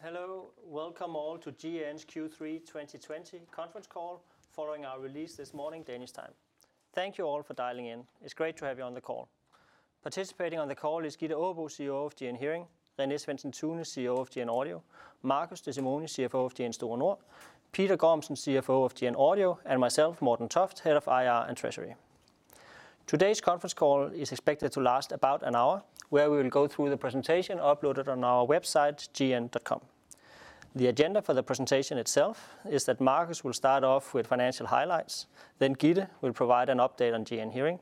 Hello. Welcome all to GN's Q3 2020 conference call following our release this morning, Danish time. Thank you all for dialing in. It's great to have you on the call. Participating on the call is Gitte Aabo, CEO of GN Hearing, René Svendsen-Tune, CEO of GN Audio, Marcus Desimoni, CFO of GN Store Nord, Peter Gormsen, CFO of GN Audio, and myself, Morten Toft, Head of IR and Treasury. Today's conference call is expected to last about an hour, where we will go through the presentation uploaded on our website, gn.com. The agenda for the presentation itself is that Marcus will start off with financial highlights, then Gitte will provide an update on GN Hearing.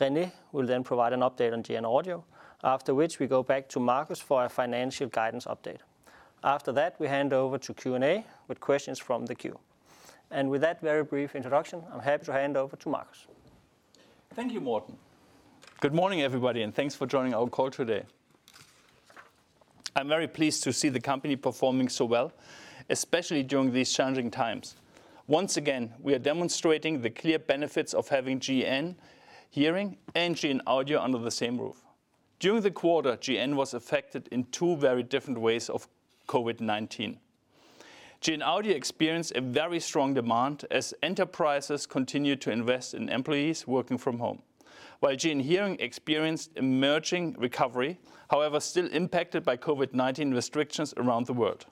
René will then provide an update on GN Audio, after which we go back to Marcus for a financial guidance update. After that, we hand over to Q&A with questions from the queue. With that very brief introduction, I'm happy to hand over to Marcus. Thank you, Morten. Good morning, everybody, and thanks for joining our call today. I'm very pleased to see the company performing so well, especially during these challenging times. Once again, we are demonstrating the clear benefits of having GN Hearing and GN Audio under the same roof. During the quarter, GN was affected in two very different ways of COVID-19. GN Audio experienced a very strong demand as enterprises continued to invest in employees working from home. While GN Hearing experienced emerging recovery, however, still impacted by COVID-19 restrictions around the world.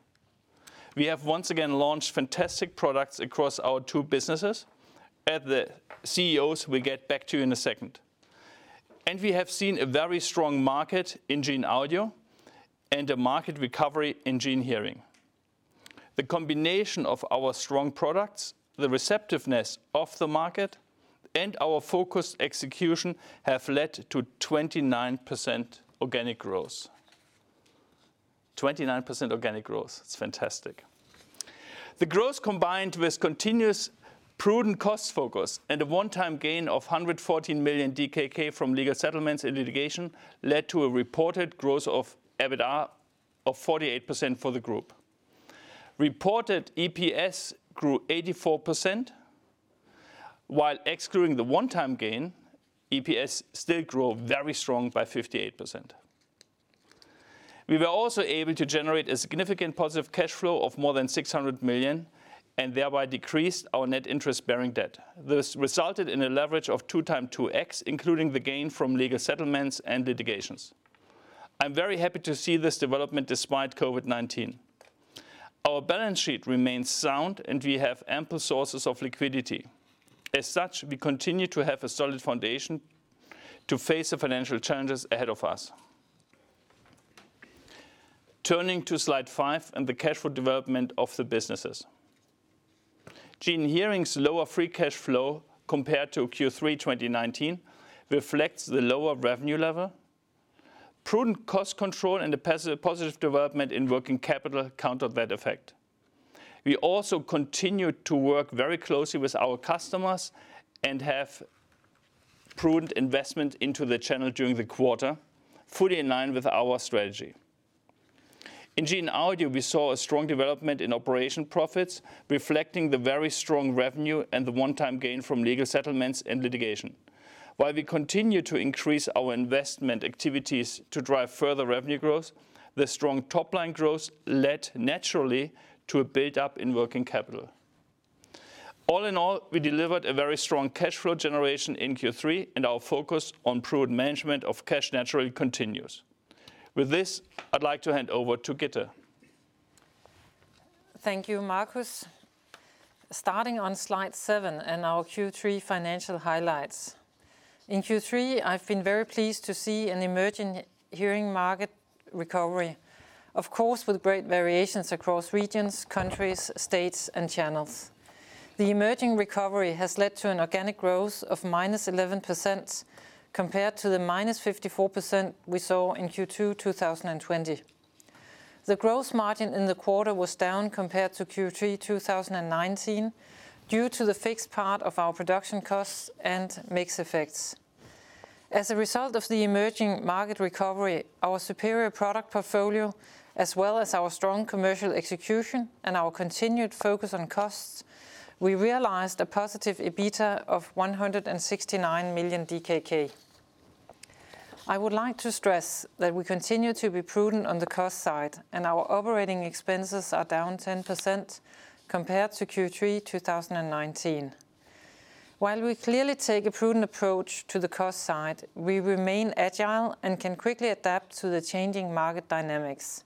We have once again launched fantastic products across our two businesses, and the CEOs will get back to you in a second. We have seen a very strong market in GN Audio and a market recovery in GN Hearing. The combination of our strong products, the receptiveness of the market, and our focused execution, have led to 29% organic growth. 29% organic growth. It's fantastic. The growth, combined with continuous prudent cost focus and a one-time gain of 114 million DKK from legal settlements and litigation, led to a reported growth of EBITDA of 48% for the group. Reported EPS grew 84%, while excluding the one-time gain, EPS still grew very strong by 58%. We were also able to generate a significant positive cash flow of more than 600 million, and thereby decreased our net interest-bearing debt. This resulted in a leverage of 2 times 2x, including the gain from legal settlements and litigations. I'm very happy to see this development despite COVID-19. Our balance sheet remains sound, and we have ample sources of liquidity. As such, we continue to have a solid foundation to face the financial challenges ahead of us. Turning to slide five and the cash flow development of the businesses. GN Hearing's lower free cash flow compared to Q3 2019 reflects the lower revenue level. Prudent cost control and the positive development in working capital counter that effect. We also continued to work very closely with our customers and have prudent investment into the channel during the quarter, fully in line with our strategy. In GN Audio, we saw a strong development in operating profits, reflecting the very strong revenue and the one-time gain from legal settlements and litigation. While we continue to increase our investment activities to drive further revenue growth, the strong top-line growth led naturally to a buildup in working capital. All in all, we delivered a very strong cash flow generation in Q3, and our focus on prudent management of cash naturally continues. With this, I'd like to hand over to Gitte. Thank you, Marcus. Starting on slide seven and our Q3 financial highlights. In Q3, I've been very pleased to see an emerging hearing market recovery, of course with great variations across regions, countries, states, and channels. The emerging recovery has led to an organic growth of -11% compared to the -54% we saw in Q2 2020. The gross margin in the quarter was down compared to Q3 2019 due to the fixed part of our production costs and mix effects. As a result of the emerging market recovery, our superior product portfolio, as well as our strong commercial execution and our continued focus on costs, we realized a positive EBITDA of 169 million DKK. I would like to stress that we continue to be prudent on the cost side, and our operating expenses are down 10% compared to Q3 2019. While we clearly take a prudent approach to the cost side, we remain agile and can quickly adapt to the changing market dynamics.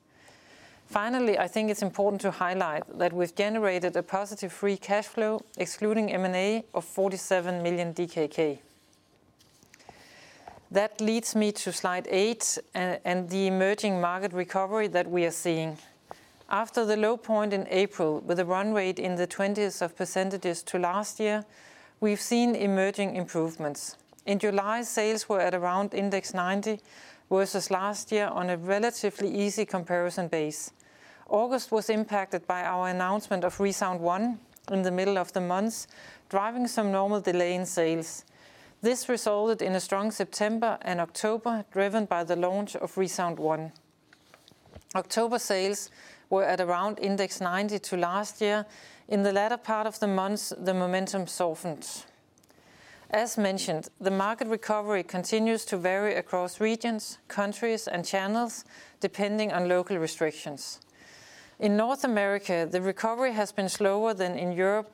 Finally, I think it's important to highlight that we've generated a positive free cash flow, excluding M&A, of 47 million DKK. That leads me to slide eight and the emerging market recovery that we are seeing. After the low point in April with a run rate in the 20s of percentages to last year, we've seen emerging improvements. In July, sales were at around index 90 versus last year on a relatively easy comparison base. August was impacted by our announcement of ReSound ONE in the middle of the month, driving some normal delay in sales. This resulted in a strong September and October, driven by the launch of ReSound ONE. October sales were at around index 90 to last year. In the latter part of the month, the momentum softened. As mentioned, the market recovery continues to vary across regions, countries, and channels depending on local restrictions. In North America, the recovery has been slower than in Europe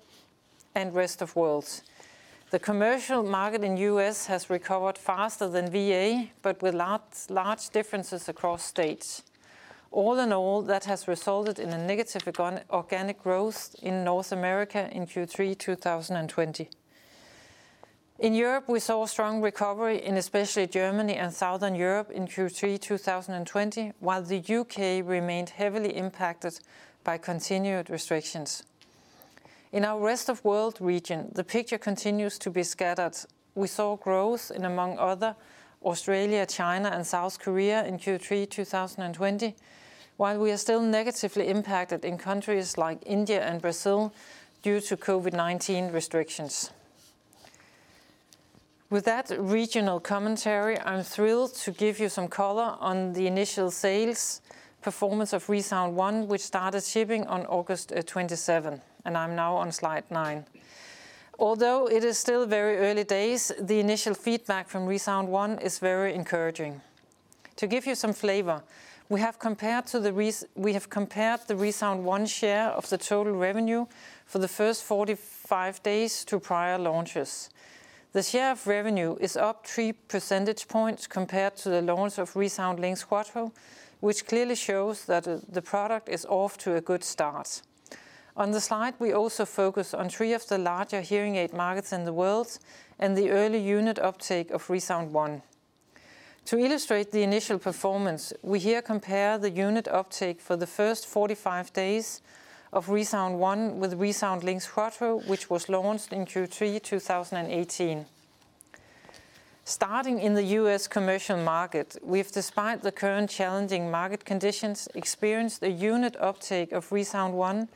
and Rest of World. The commercial market in U.S. has recovered faster than VA, but with large differences across states. All in all, that has resulted in a negative organic growth in North America in Q3 2020. In Europe, we saw a strong recovery in especially Germany and Southern Europe in Q3 2020, while the U.K. remained heavily impacted by continued restrictions. In our Rest of World region, the picture continues to be scattered. We saw growth in, among other, Australia, China, and South Korea in Q3 2020, while we are still negatively impacted in countries like India and Brazil due to COVID-19 restrictions. With that regional commentary, I'm thrilled to give you some color on the initial sales performance of ReSound ONE, which started shipping on August 27th. I'm now on slide nine. Although it is still very early days, the initial feedback from ReSound ONE is very encouraging. To give you some flavor, we have compared the ReSound ONE share of the total revenue for the first 45 days to prior launches. The share of revenue is up three percentage points compared to the launch of ReSound LiNX Quattro, which clearly shows that the product is off to a good start. On the slide, we also focus on three of the larger hearing aid markets in the world and the early unit uptake of ReSound ONE. To illustrate the initial performance, we here compare the unit uptake for the first 45 days of ReSound ONE with ReSound LiNX Quattro, which was launched in Q3 2018. Starting in the U.S. commercial market, we've, despite the current challenging market conditions, experienced a unit uptake of ReSound ONE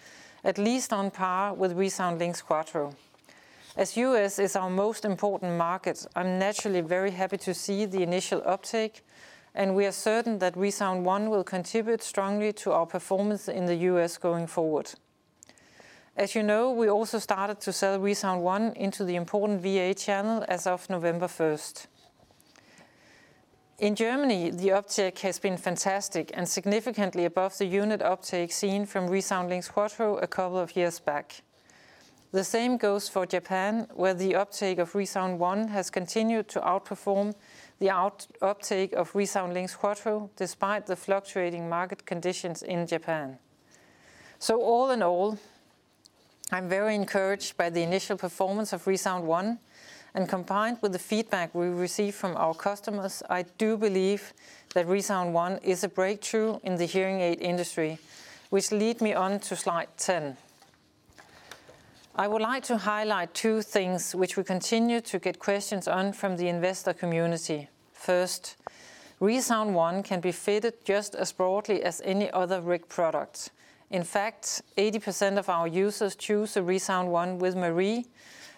at least on par with ReSound LiNX Quattro. As U.S. is our most important market, I'm naturally very happy to see the initial uptake, and we are certain that ReSound ONE will contribute strongly to our performance in the U.S. going forward. As you know, we also started to sell ReSound ONE into the important VA channel as of November 1st. In Germany, the uptake has been fantastic and significantly above the unit uptake seen from ReSound LiNX Quattro a couple of years back. The same goes for Japan, where the uptake of ReSound ONE has continued to outperform the uptake of ReSound LiNX Quattro, despite the fluctuating market conditions in Japan. All in all, I'm very encouraged by the initial performance of ReSound ONE, and combined with the feedback we receive from our customers, I do believe that ReSound ONE is a breakthrough in the hearing aid industry, which lead me on to slide 10. I would like to highlight two things which we continue to get questions on from the investor community. First, ReSound ONE can be fitted just as broadly as any other RIC product. In fact, 80% of our users choose a ReSound ONE with M&RIE,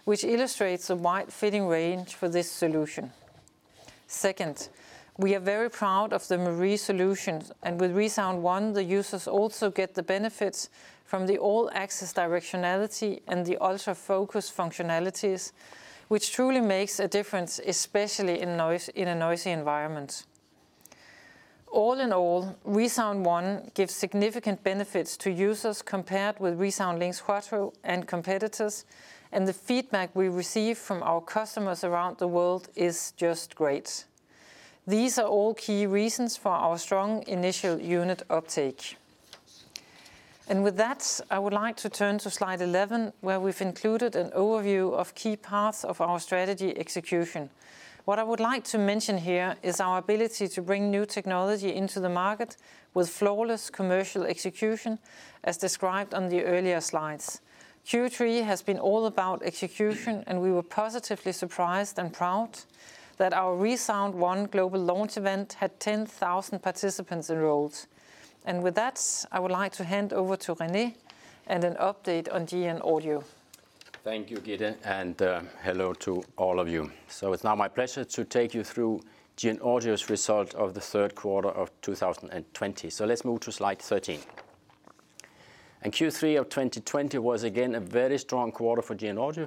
which illustrates a wide fitting range for this solution. Second, we are very proud of the M&RIE solution, and with ReSound ONE, the users also get the benefits from the All Access Directionality and the Ultra Focus functionalities, which truly makes a difference, especially in a noisy environment. All in all, ReSound ONE gives significant benefits to users compared with ReSound LiNX Quattro and competitors, and the feedback we receive from our customers around the world is just great. These are all key reasons for our strong initial unit uptake. With that, I would like to turn to slide 11, where we've included an overview of key paths of our strategy execution. What I would like to mention here is our ability to bring new technology into the market with flawless commercial execution, as described on the earlier slides. Q3 has been all about execution, and we were positively surprised and proud that our ReSound ONE global launch event had 10,000 participants enrolled. With that, I would like to hand over to René and an update on GN Audio. Thank you, Gitte, and hello to all of you. It's now my pleasure to take you through GN Audio's result of the third quarter of 2020. Let's move to slide 13. Q3 of 2020 was again a very strong quarter for GN Audio,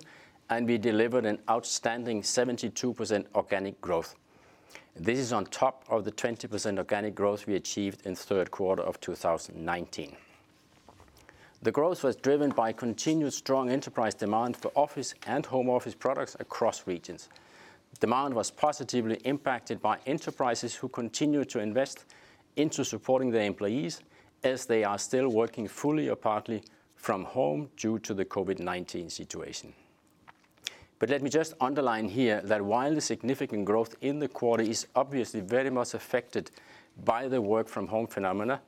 and we delivered an outstanding 72% organic growth. This is on top of the 20% organic growth we achieved in third quarter of 2019. The growth was driven by continued strong enterprise demand for office and home office products across regions. Demand was positively impacted by enterprises who continued to invest into supporting their employees as they are still working fully or partly from home due to the COVID-19 situation. Let me just underline here that while the significant growth in the quarter is obviously very much affected by the work from home phenomena,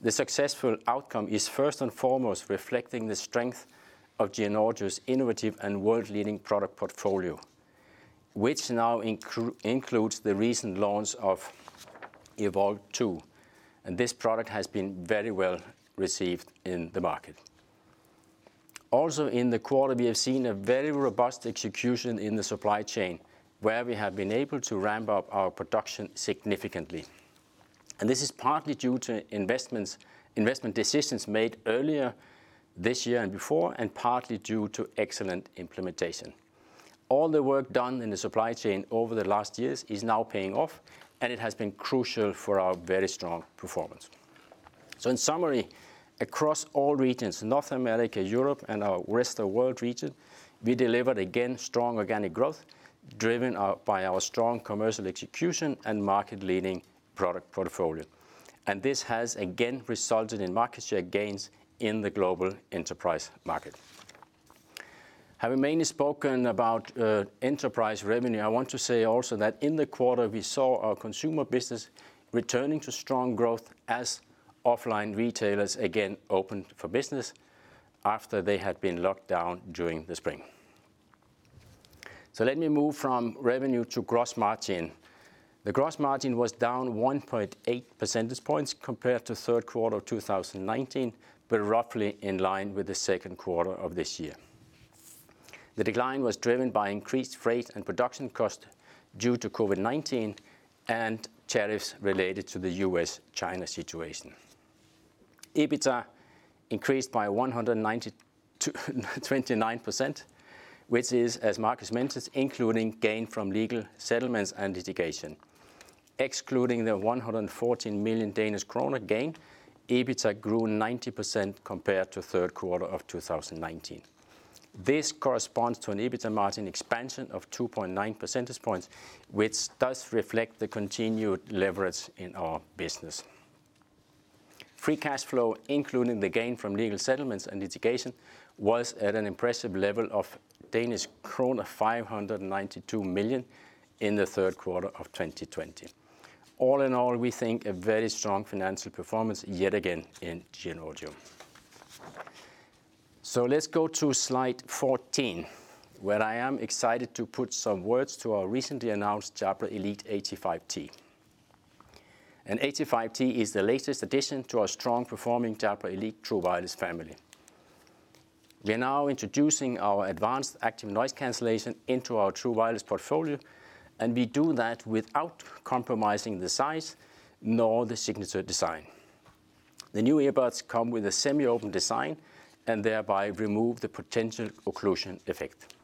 the successful outcome is first and foremost reflecting the strength of GN Audio's innovative and world-leading product portfolio, which now includes the recent launch of Evolve2, and this product has been very well received in the market. Also, in the quarter, we have seen a very robust execution in the supply chain, where we have been able to ramp up our production significantly. This is partly due to investment decisions made earlier this year and before, and partly due to excellent implementation. All the work done in the supply chain over the last years is now paying off, and it has been crucial for our very strong performance. In summary, across all regions, North America, Europe, and our Rest of World region, we delivered again strong organic growth driven by our strong commercial execution and market-leading product portfolio. This has again resulted in market share gains in the global enterprise market. Having mainly spoken about enterprise revenue, I want to say also that in the quarter we saw our consumer business returning to strong growth as offline retailers again opened for business after they had been locked down during the spring. Let me move from revenue to gross margin. The gross margin was down 1.8 percentage points compared to third quarter of 2019, but roughly in line with the second quarter of this year. The decline was driven by increased freight and production cost due to COVID-19 and tariffs related to the U.S.-China situation. EBITDA increased by 129%, which is, as Marcus mentioned, including gain from legal settlements and litigation. Excluding the 114 million Danish kroner gain, EBITDA grew 90% compared to third quarter of 2019. This corresponds to an EBITDA margin expansion of 2.9 percentage points, which does reflect the continued leverage in our business. Free cash flow, including the gain from legal settlements and litigation, was at an impressive level of Danish krone 592 million in the third quarter of 2020. All in all, we think a very strong financial performance yet again in GN Audio. Let's go to slide 14, where I am excited to put some words to our recently announced Jabra Elite 85t. 85t is the latest addition to our strong-performing Jabra Elite true wireless family. We are now introducing our advanced active noise cancellation into our true wireless portfolio, and we do that without compromising the size nor the signature design. The new earbuds come with a semi-open design and thereby remove the potential occlusion effect.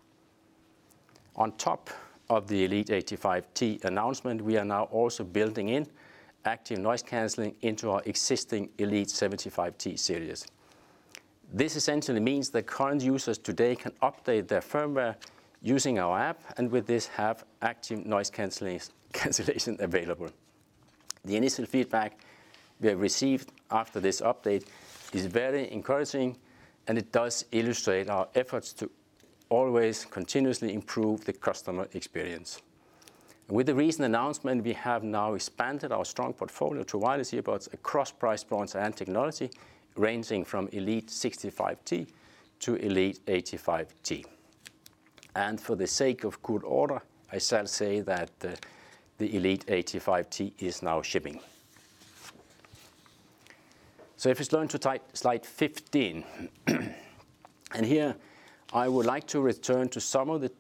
On top of the Elite 85t announcement, we are now also building in active noise canceling into our existing Elite 75t series. This essentially means that current users today can update their firmware using our app, and with this have active noise cancellation available. The initial feedback we have received after this update is very encouraging, and it does illustrate our efforts to always continuously improve the customer experience. With the recent announcement, we have now expanded our strong portfolio true wireless earbuds across price points and technology ranging from Elite 65t to Elite 85t. For the sake of good order, I shall say that the Elite 85t is now shipping. If we turn to slide 15. Here I would like to return to some of the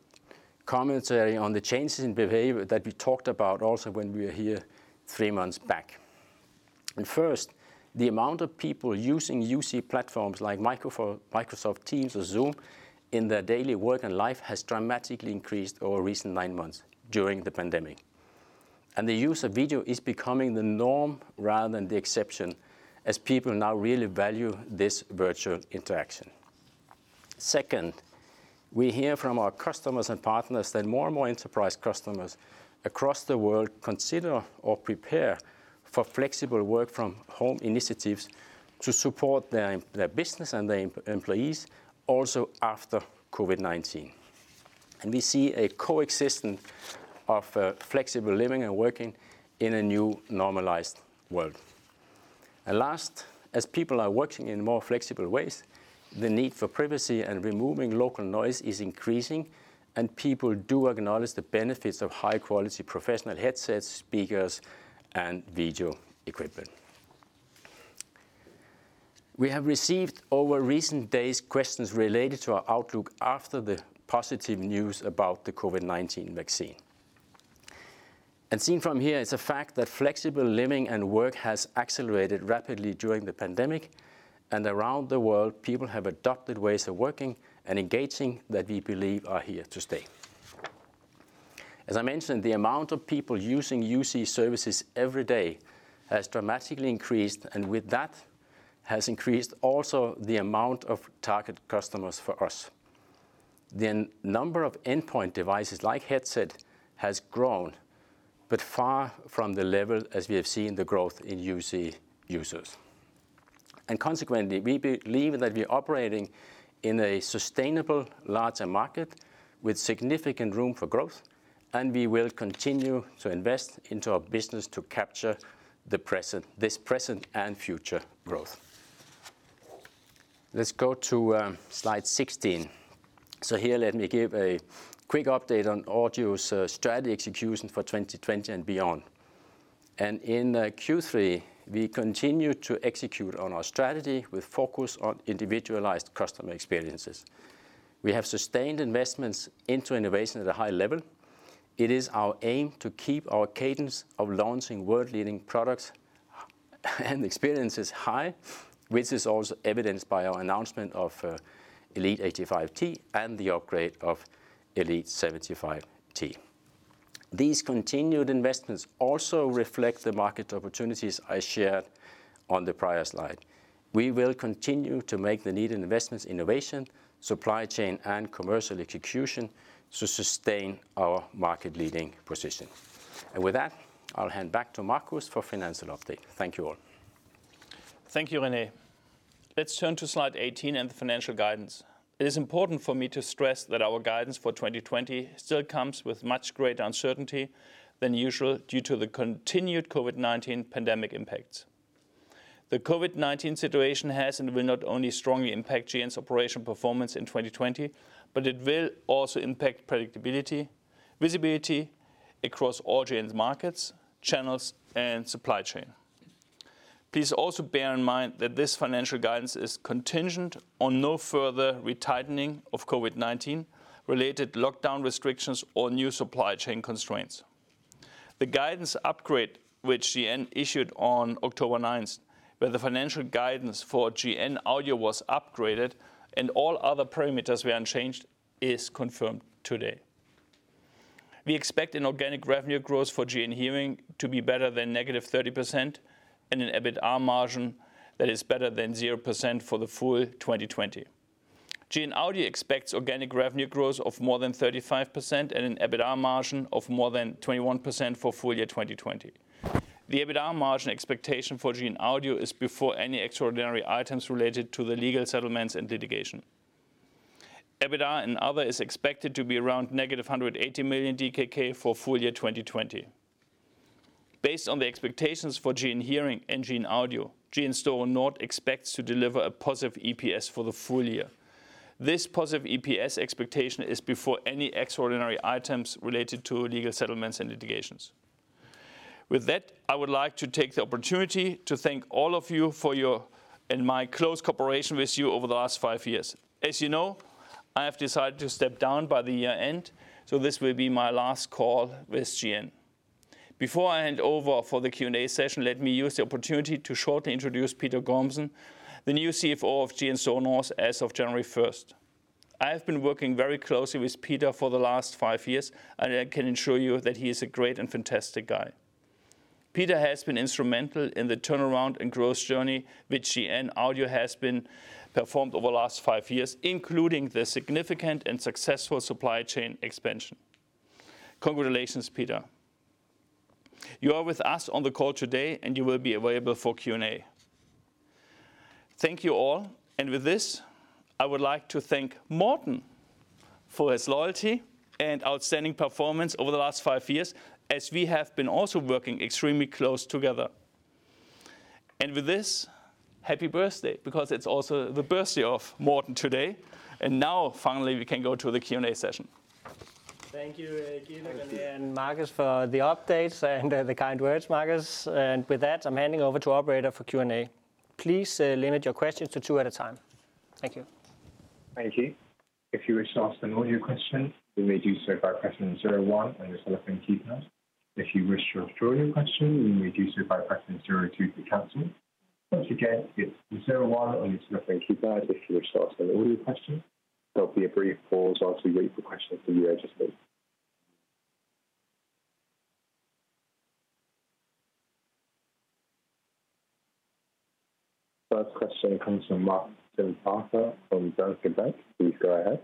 commentary on the changes in behavior that we talked about also when we were here three months back. First, the amount of people using UC platforms like Microsoft Teams or Zoom in their daily work and life has dramatically increased over recent nine months during the pandemic. The use of video is becoming the norm rather than the exception, as people now really value this virtual interaction. Second, we hear from our customers and partners that more and more enterprise customers across the world consider or prepare for flexible work from home initiatives to support their business and their employees also after COVID-19. We see a coexistence of flexible living and working in a new normalized world. Last, as people are working in more flexible ways, the need for privacy and removing local noise is increasing, and people do acknowledge the benefits of high-quality professional headsets, speakers, and video equipment. We have received over recent days questions related to our outlook after the positive news about the COVID-19 vaccine. Seen from here, it's a fact that flexible living and work has accelerated rapidly during the pandemic, and around the world, people have adopted ways of working and engaging that we believe are here to stay. As I mentioned, the amount of people using UC services every day has dramatically increased, and with that has increased also the amount of target customers for us. The number of endpoint devices like headset has grown, but far from the level as we have seen the growth in UC users. Consequently, we believe that we are operating in a sustainable, larger market with significant room for growth, and we will continue to invest into our business to capture this present and future growth. Let's go to slide 16. Here let me give a quick update on Audio's strategy execution for 2020 and beyond. In Q3, we continued to execute on our strategy with focus on individualized customer experiences. We have sustained investments into innovation at a high level. It is our aim to keep our cadence of launching world-leading products and experiences high, which is also evidenced by our announcement of Elite 85t and the upgrade of Elite 75t. These continued investments also reflect the market opportunities I shared on the prior slide. We will continue to make the needed investments in innovation, supply chain, and commercial execution to sustain our market-leading position. With that, I'll hand back to Marcus for financial update. Thank you all. Thank you, René. Let's turn to slide 18 and the financial guidance. It is important for me to stress that our guidance for 2020 still comes with much greater uncertainty than usual due to the continued COVID-19 pandemic impacts. The COVID-19 situation has and will not only strongly impact GN's operational performance in 2020, but it will also impact predictability, visibility across all GN's markets, channels, and supply chain. Please also bear in mind that this financial guidance is contingent on no further retightening of COVID-19-related lockdown restrictions or new supply chain constraints. The guidance upgrade, which GN issued on October 9th, where the financial guidance for GN Audio was upgraded and all other parameters were unchanged, is confirmed today. We expect an organic revenue growth for GN Hearing to be better than -30% and an EBITDA margin that is better than 0% for the full 2020. GN Audio expects organic revenue growth of more than 35% and an EBITDA margin of more than 21% for full-year 2020. The EBITDA margin expectation for GN Audio is before any extraordinary items related to the legal settlements and litigation. EBITDA and other is expected to be around -180 million DKK for full-year 2020. Based on the expectations for GN Hearing and GN Audio, GN Store Nord expects to deliver a positive EPS for the full year. This positive EPS expectation is before any extraordinary items related to legal settlements and litigations. I would like to take the opportunity to thank all of you for your and my close cooperation with you over the last five years. As you know, I have decided to step down by the year-end, so this will be my last call with GN. Before I hand over for the Q&A session, let me use the opportunity to shortly introduce Peter Gormsen, the new CFO of GN Store Nord as of January 1st. I have been working very closely with Peter for the last five years, I can assure you that he is a great and fantastic guy. Peter has been instrumental in the turnaround and growth journey which GN Audio has performed over the last five years, including the significant and successful supply chain expansion. Congratulations, Peter. You are with us on the call today, you will be available for Q&A. Thank you all. With this, I would like to thank Morten for his loyalty and outstanding performance over the last five years, as we have been also working extremely close together. With this, happy birthday, because it's also the birthday of Morten today. Now finally, we can go to the Q&A session. Thank you, Gitte, René, and Marcus for the updates and the kind words, Marcus. With that, I'm handing over to operator for Q&A. Please limit your questions to two at a time. Thank you. Thank you. If you wish to ask an audio question, you may do so by pressing zero one on your telephone keypad. If you wish to withdraw your question, you may do so by pressing zero two to cancel. Once again, it's zero one on your telephone keypad if you wish to ask an audio question. There'll be a brief pause while we wait for questions from the registered. First question comes from Martin Parkhøi from Danske Bank. Please go ahead.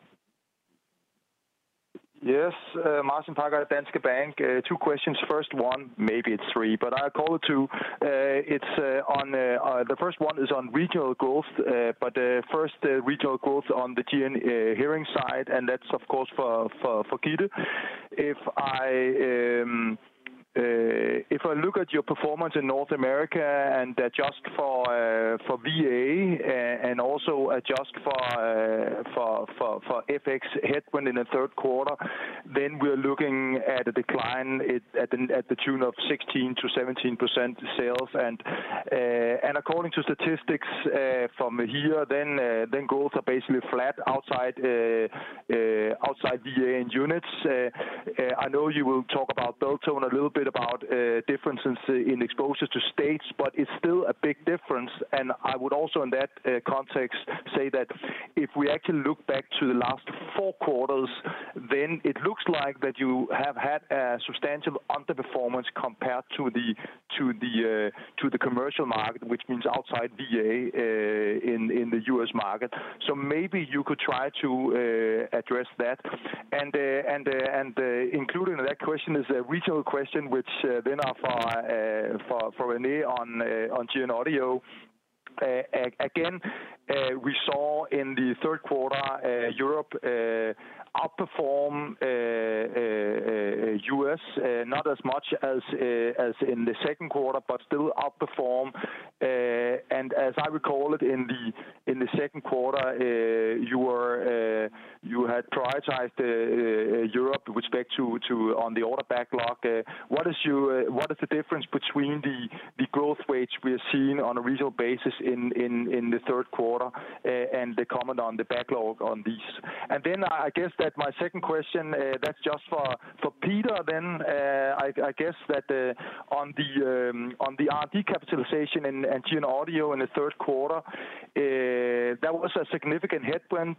Yes. Martin Parkhøi at Danske Bank. Two questions. First one, maybe it's three. I'll call it two. The first one is on regional growth, first regional growth on the GN Hearing side. That's of course for Gitte. If I look at your performance in North America and adjust for VA and also adjust for FX headwind in the third quarter, we're looking at a decline at the tune of 16%-17% sales. According to statistics from here, growth are basically flat outside VA and units. I know you will talk about Beltone a little bit, about differences in exposure to states. It's still a big difference. I would also, in that context, say that if we actually look back to the last four quarters, then it looks like that you have had a substantial underperformance compared to the commercial market, which means outside VA in the U.S. market. Maybe you could try to address that. Included in that question is a regional question, which then are for René on GN Audio. Again, we saw in the third quarter Europe outperform U.S., not as much as in the second quarter, but still outperform. As I recall it, in the second quarter, you had prioritized Europe with respect to on the order backlog. What is the difference between the growth rates we are seeing on a regional basis in the third quarter, and the comment on the backlog on these? I guess that my second question, that's just for Peter then. I guess that on the R&D capitalization in GN Audio in the third quarter, that was a significant headwind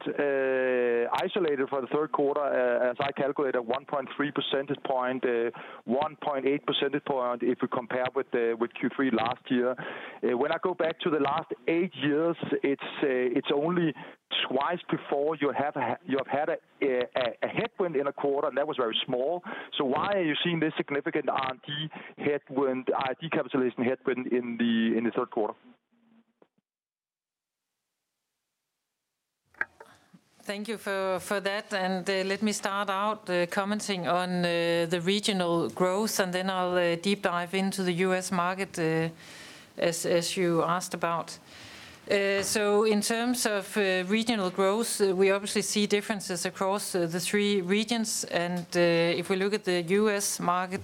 isolated for the third quarter, as I calculate a 1.3 percentage point, 1.8 percentage point if we compare with Q3 last year. When I go back to the last eight years, it's only twice before you have had a headwind in a quarter, and that was very small. Why are you seeing this significant R&D capitalization headwind in the third quarter? Thank you for that. Let me start out commenting on the regional growth, and then I'll deep dive into the U.S. market, as you asked about. In terms of regional growth, we obviously see differences across the three regions. If we look at the U.S. market,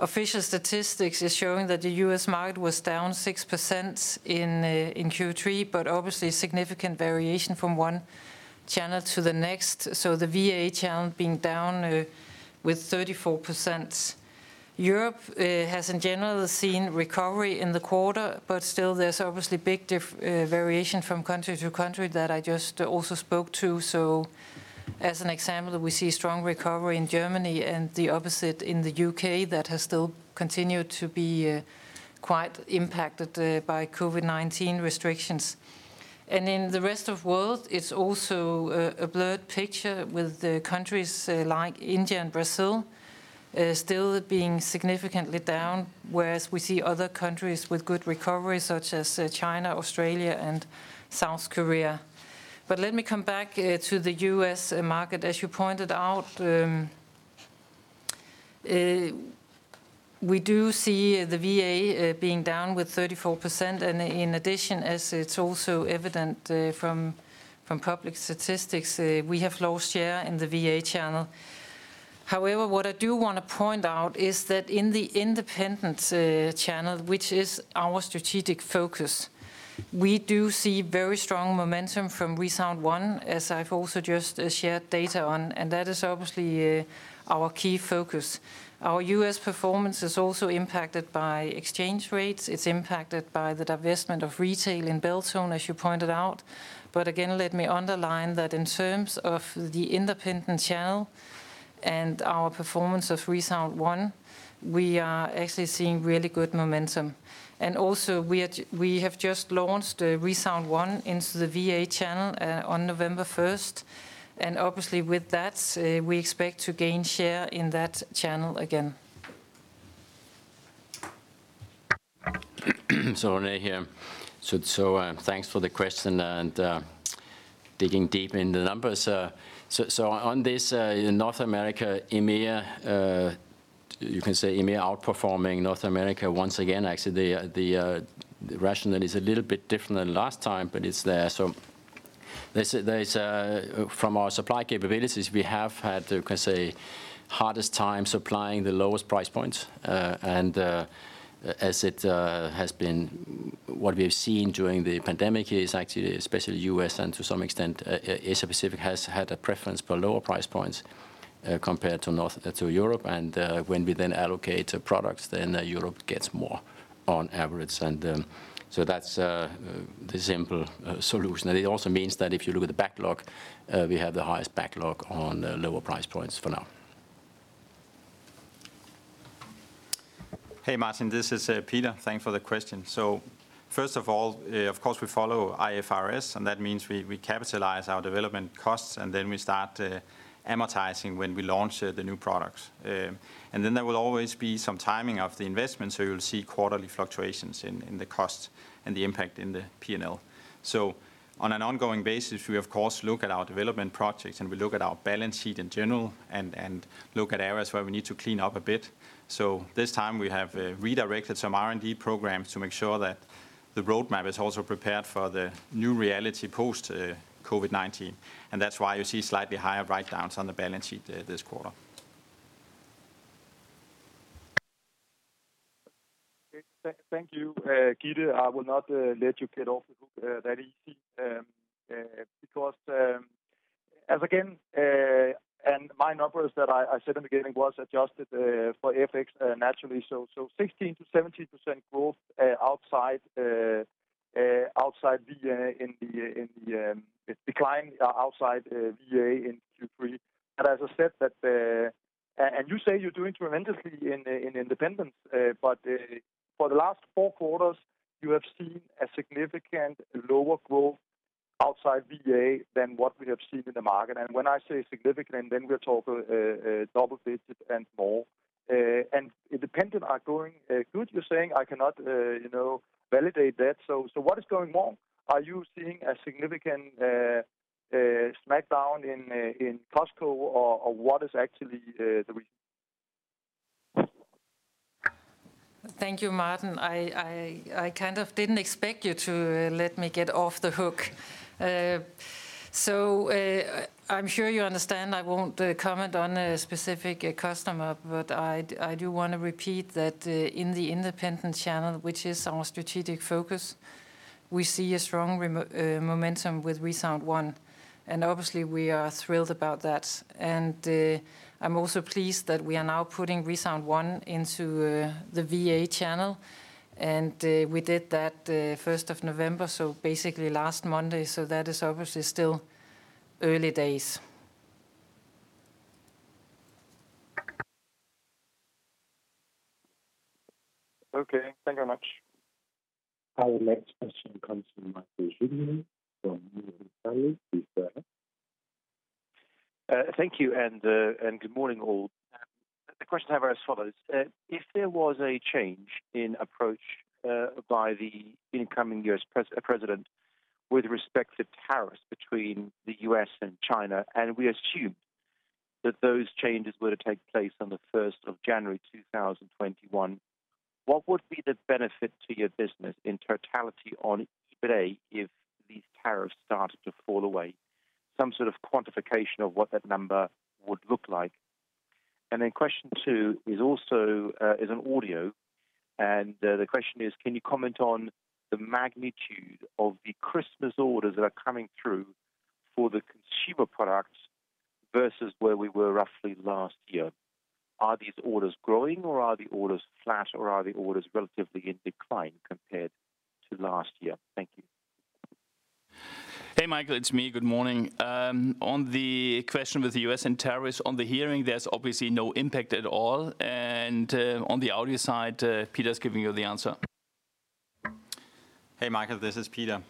official statistics is showing that the U.S. market was down 6% in Q3, but obviously a significant variation from one channel to the next. The VA channel being down with 34%. Europe has, in general, seen recovery in the quarter, still there's obviously big variation from country to country that I just also spoke to. As an example, we see strong recovery in Germany and the opposite in the U.K. that has still continued to be quite impacted by COVID-19 restrictions. In the Rest of World, it's also a blurred picture with the countries like India and Brazil still being significantly down, whereas we see other countries with good recovery such as China, Australia, and South Korea. Let me come back to the U.S. market. As you pointed out, we do see the VA being down with 34%, and in addition, as it's also evident from public statistics, we have lost share in the VA channel. However, what I do want to point out is that in the independent channel, which is our strategic focus, we do see very strong momentum from ReSound ONE, as I've also just shared data on, and that is obviously our key focus. Our U.S. performance is also impacted by exchange rates. It's impacted by the divestment of retail in Beltone, as you pointed out. Again, let me underline that in terms of the independent channel and our performance of ReSound ONE, we are actually seeing really good momentum. Also, we have just launched ReSound ONE into the VA channel on November 1st. Obviously, with that, we expect to gain share in that channel again. René here. Thanks for the question and digging deep in the numbers. On this, in North America, EMEA, you can say EMEA outperforming North America once again. Actually, the rationale is a little bit different than last time, but it's there. From our supply capabilities, we have had, you can say, hardest time supplying the lowest price points. As it has been, what we've seen during the pandemic is actually, especially U.S. and to some extent, Asia-Pacific, has had a preference for lower price points compared to Europe. When we then allocate products, then Europe gets more on average. That's the simple solution. It also means that if you look at the backlog, we have the highest backlog on lower price points for now. Hey, Martin. This is Peter. Thanks for the question. First of all, of course, we follow IFRS, and that means we capitalize our development costs, and then we start amortizing when we launch the new products. There will always be some timing of the investment, so you'll see quarterly fluctuations in the cost and the impact in the P&L. On an ongoing basis, we of course look at our development projects, and we look at our balance sheet in general and look at areas where we need to clean up a bit. This time we have redirected some R&D programs to make sure that the roadmap is also prepared for the new reality post-COVID-19. That's why you see slightly higher write-downs on the balance sheet this quarter. Okay. Thank you. Gitte, I will not let you get off the hook that easy. As again, my numbers that I said in the beginning was adjusted for FX naturally. 16%-17% growth outside VA in the decline outside VA in Q3. As I said that, you say you're doing tremendously in independent, for the last four quarters, you have seen a significant lower growth outside VA than what we have seen in the market. When I say significant, we're talking double digits and more. Independent are going good, you're saying. I cannot validate that. What is going wrong? Are you seeing a significant smack down in Costco or what is actually the reason? Thank you, Martin. I kind of didn't expect you to let me get off the hook. I'm sure you understand, I won't comment on a specific customer, but I do want to repeat that in the independent channel, which is our strategic focus, we see a strong momentum with ReSound ONE, and obviously, we are thrilled about that. I'm also pleased that we are now putting ReSound ONE into the VA channel, and we did that the 1st of November, so basically last Monday, so that is obviously still early days. Okay. Thank you very much. Our next question comes from [Michael Jüngling from Morgan Stanley.] Thank you, and good morning, all. The questions I have are as follows. If there was a change in approach by the incoming U.S. president with respect to tariffs between the U.S. and China, and we assume that those changes were to take place on the 1st of January 2021, what would be the benefit to your business in totality on each day if these tariffs started to fall away? Some sort of quantification of what that number would look like. Question 2 is on audio, and the question is, can you comment on the magnitude of the Christmas orders that are coming through for the consumer products versus where we were roughly last year? Are these orders growing, or are the orders flat, or are the orders relatively in decline compared to last year? Thank you. Hey, Michael, it's me. Good morning. On the question with the U.S. and tariffs on the Hearing, there's obviously no impact at all, and on the Audio side, Peter's giving you the answer. Hey, Michael, this is Peter.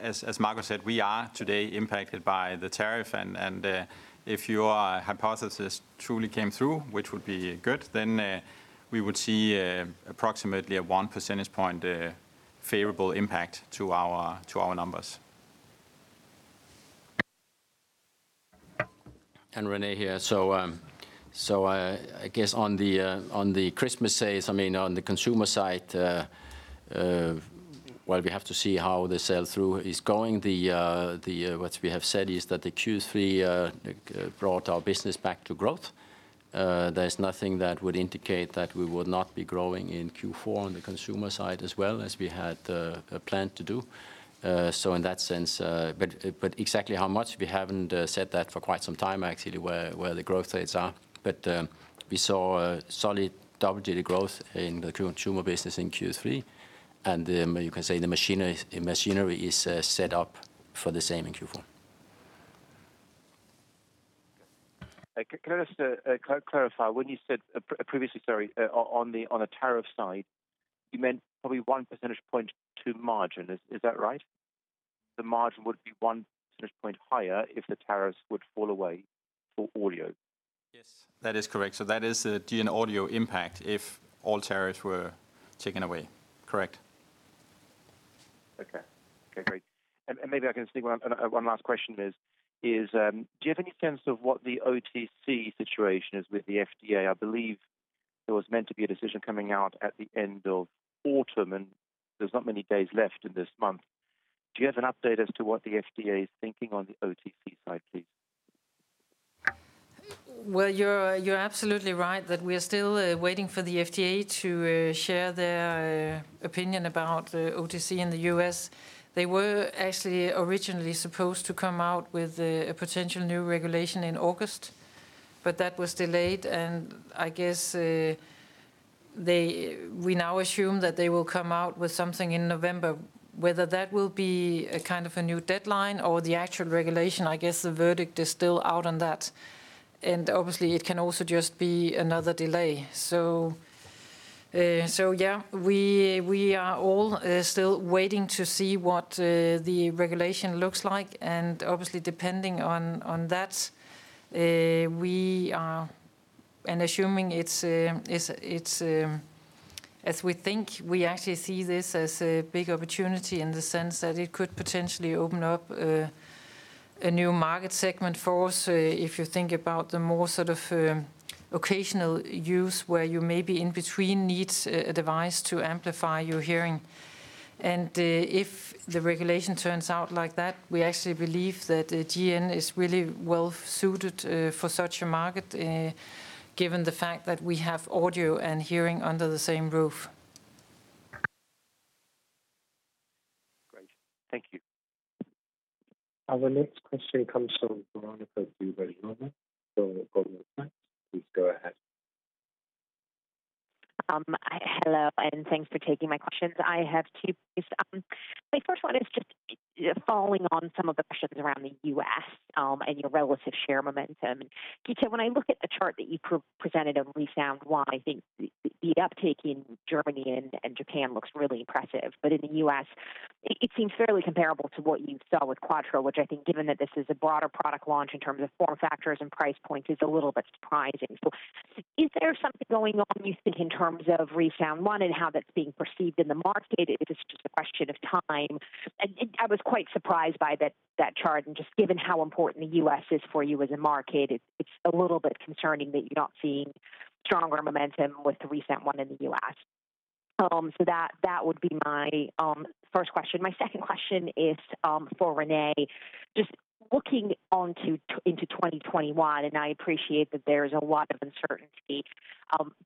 As Marcus said, we are today impacted by the tariff, and if your hypothesis truly came through, which would be good, then we would see approximately a 1 percentage point favorable impact to our numbers. René here. I guess on the Christmas sales, on the consumer side, well, we have to see how the sell-through is going. What we have said is that the Q3 brought our business back to growth. There's nothing that would indicate that we would not be growing in Q4 on the consumer side as well, as we had planned to do. In that sense, but exactly how much, we haven't said that for quite some time, actually, where the growth rates are. We saw solid double-digit growth in the consumer business in Q3, and you can say the machinery is set up for the same in Q4. Can I just clarify, when you said previously, sorry, on a tariff side, you meant probably 1 percentage point to margin. Is that right? The margin would be one percentage point higher if the tariffs would fall away for Audio. Yes, that is correct. That is a GN Audio impact if all tariffs were taken away. Correct. Okay. Great. Maybe I can sneak one last question in, is do you have any sense of what the OTC situation is with the FDA? I believe there was meant to be a decision coming out at the end of autumn, and there's not many days left in this month. Do you have an update as to what the FDA is thinking on the OTC side, please? Well, you're absolutely right that we are still waiting for the FDA to share their opinion about OTC in the U.S. They were actually originally supposed to come out with a potential new regulation in August. That was delayed, and I guess we now assume that they will come out with something in November. Whether that will be a kind of a new deadline or the actual regulation, I guess the verdict is still out on that. Obviously, it can also just be another delay. Yeah, we are all still waiting to see what the regulation looks like, and obviously, depending on that, and assuming it's as we think, we actually see this as a big opportunity in the sense that it could potentially open up a new market segment for us, if you think about the more sort of occasional use where you maybe in between needs a device to amplify your hearing. If the regulation turns out like that, we actually believe that GN is really well-suited for such a market, given the fact that we have audio and hearing under the same roof. Great. Thank you. Our next question comes from Veronika Dubajova from Goldman Sachs. Please go ahead. Hello, thanks for taking my questions. I have two, please. My first one is just following on some of the questions around the U.S. and your relative share momentum. Can you tell, when I look at the chart that you presented on ReSound ONE, I think the uptake in Germany and Japan looks really impressive. In the U.S., it seems fairly comparable to what you saw with Quattro, which I think given that this is a broader product launch in terms of form factors and price points, is a little bit surprising. Is there something going on, you think, in terms of ReSound ONE and how that's being perceived in the market? Is this just a Question of time. I was quite surprised by that chart, and just given how important the U.S. is for you as a market, it's a little bit concerning that you're not seeing stronger momentum with the ReSound ONE in the U.S. That would be my first question. My second question is for René. Looking into 2021, and I appreciate that there's a lot of uncertainty,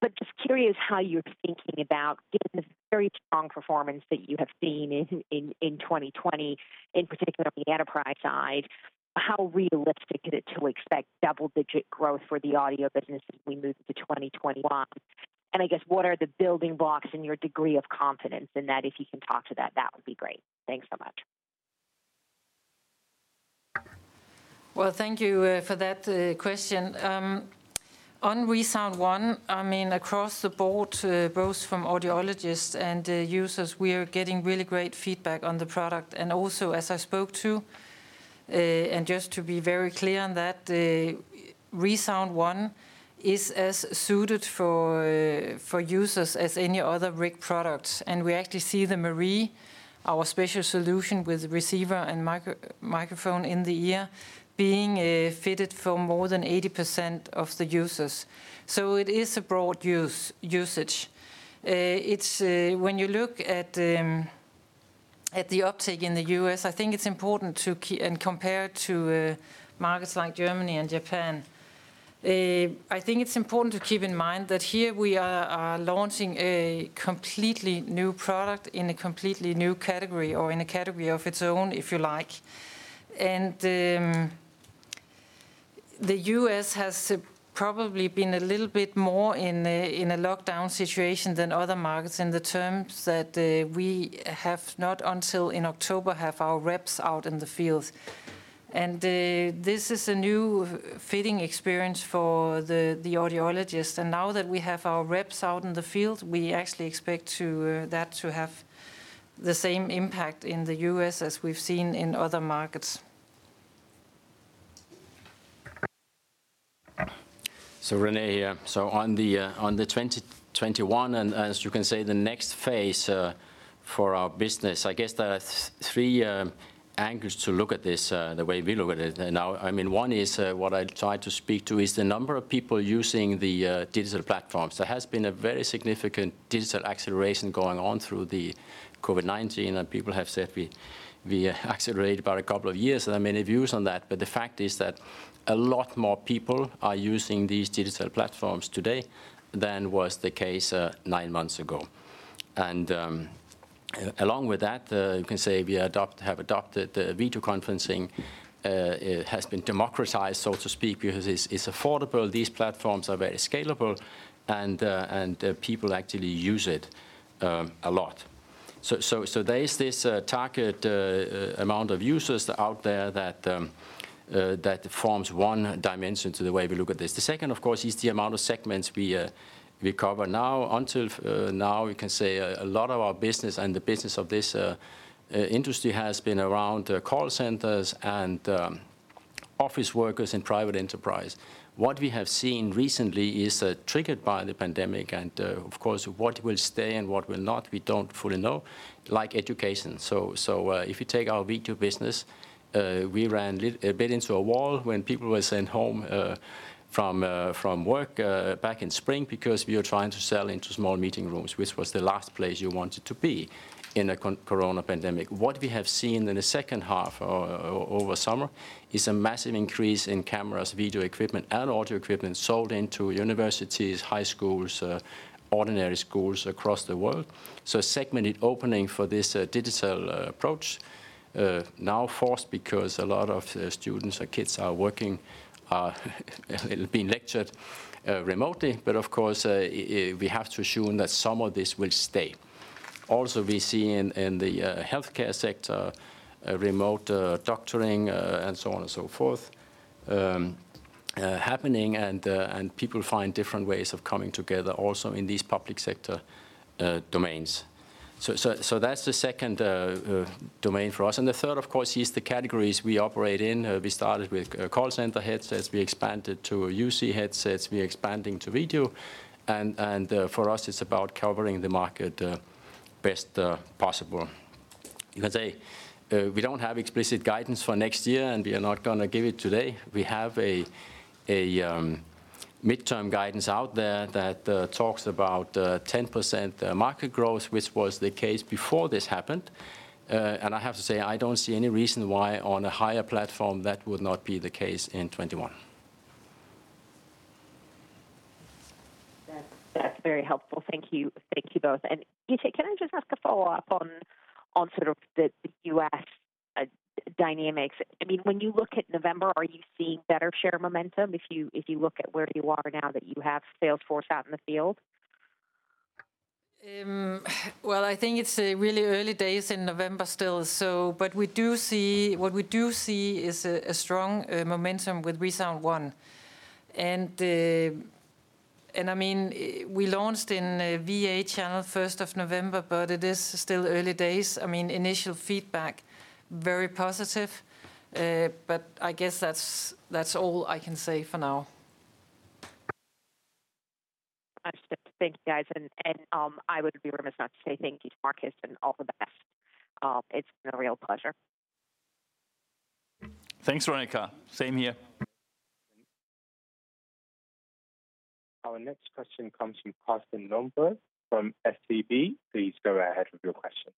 but just curious how you're thinking about, given the very strong performance that you have seen in 2020, in particular on the enterprise side, how realistic is it to expect double-digit growth for the audio business as we move to 2021? I guess, what are the building blocks in your degree of confidence in that? If you can talk to that would be great. Thanks so much. Well, thank you for that question. On ReSound ONE, across the board, both from audiologists and users, we are getting really great feedback on the product. Also, as I spoke to, and just to be very clear on that, ReSound ONE is as suited for users as any other RIC products. We actually see the M&RIE, our special solution with receiver and microphone in the ear, being fitted for more than 80% of the users. It is a broad usage. When you look at the uptake in the U.S., I think it's important to, and compare it to markets like Germany and Japan. I think it's important to keep in mind that here we are launching a completely new product in a completely new category, or in a category of its own, if you like. The U.S. has probably been a little bit more in a lockdown situation than other markets in the terms that we have not, until in October, have our reps out in the field. This is a new fitting experience for the audiologist. Now that we have our reps out in the field, we actually expect that to have the same impact in the U.S. as we've seen in other markets. René here. On 2021, as you can say, the next phase for our business, I guess there are three angles to look at this, the way we look at it. Now, one is what I tried to speak to is the number of people using the digital platforms. There has been a very significant digital acceleration going on through COVID-19. People have said we accelerated about a couple of years. There are many views on that. The fact is that a lot more people are using these digital platforms today than was the case nine months ago. Along with that, you can say we have adopted video conferencing. It has been democratized, so to speak, because it's affordable. These platforms are very scalable. People actually use it a lot. There is this target amount of users out there that forms one dimension to the way we look at this. The second, of course, is the amount of segments we cover now. Until now, we can say a lot of our business and the business of this industry has been around call centers and office workers in private enterprise. What we have seen recently is triggered by the pandemic, and of course, what will stay and what will not, we don't fully know, like education. If you take our video business, we ran a bit into a wall when people were sent home from work back in spring because we were trying to sell into small meeting rooms, which was the last place you wanted to be in a corona pandemic. What we have seen in the second half, over summer, is a massive increase in cameras, video equipment, and audio equipment sold into universities, high schools, ordinary schools across the world. Segmented opening for this digital approach, now forced because a lot of students or kids are working, are being lectured remotely. Of course, we have to assume that some of this will stay. Also, we see in the healthcare sector, remote doctoring, and so on and so forth, happening, and people find different ways of coming together also in these public sector domains. That's the second domain for us. The third, of course, is the categories we operate in. We started with call center headsets. We expanded to UC headsets. We're expanding to video. For us, it's about covering the market best possible. You can say we don't have explicit guidance for next year, and we are not going to give it today. We have a midterm guidance out there that talks about 10% market growth, which was the case before this happened. I have to say, I don't see any reason why on a higher platform that would not be the case in 2021. That's very helpful. Thank you both. Gitte, can I just ask a follow-up on sort of the U.S. dynamics? When you look at November, are you seeing better share momentum if you look at where you are now that you have sales force out in the field? Well, I think it's really early days in November still, but what we do see is a strong momentum with ReSound ONE. We launched in VA channel 1st of November, but it is still early days. Initial feedback, very positive, but I guess that's all I can say for now. Thank you, guys. I would be remiss not to say thank you to Marcus, and all the best. It has been a real pleasure. Thanks, Veronika. Same here. Our next question comes from Carsten Lønborg Madsen from SEB. Please go ahead with your question.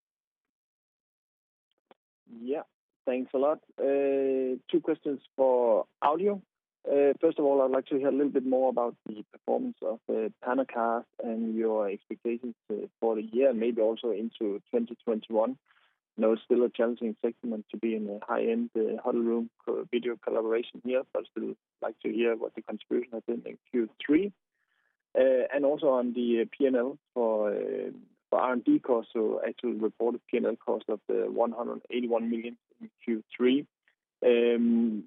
Yeah, thanks a lot. Two questions for Audio. First of all, I'd like to hear a little bit more about the performance of the PanaCast and your expectations for the year, maybe also into 2021. I know it's still a challenging segment to be in the high-end huddle room video collaboration here, but I'd still like to hear what the contribution has been in Q3. Also on the P&L for R&D costs, so actual reported P&L cost of the 181 million in Q3.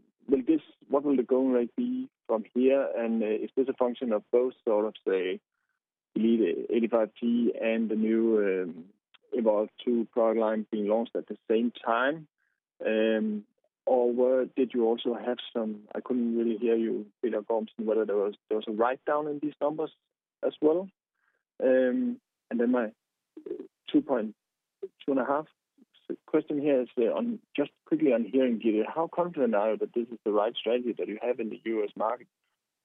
What will the going rate be from here? Is this a function of both sort of, say, 85t and the new Evolve2 product line being launched at the same time? Did you also have some, I couldn't really hear you, Peter Gormsen, whether there was a write-down in these numbers as well? My two and a half question here is on just quickly on Hearing, Gitte, how confident are you that this is the right strategy that you have in the U.S. market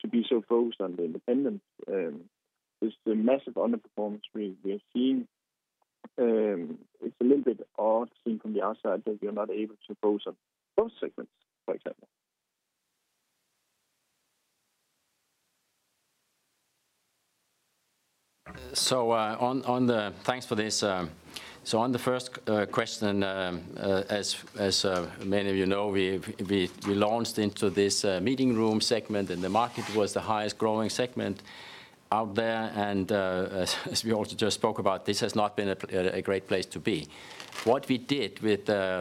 to be so focused on the independent? This massive underperformance we are seeing, it is a little bit odd seen from the outside that you are not able to focus on both segments, for example. Thanks for this. On the first question, as many of you know, we launched into this meeting room segment and the market was the highest growing segment out there. As we also just spoke about, this has not been a great place to be. What we did with the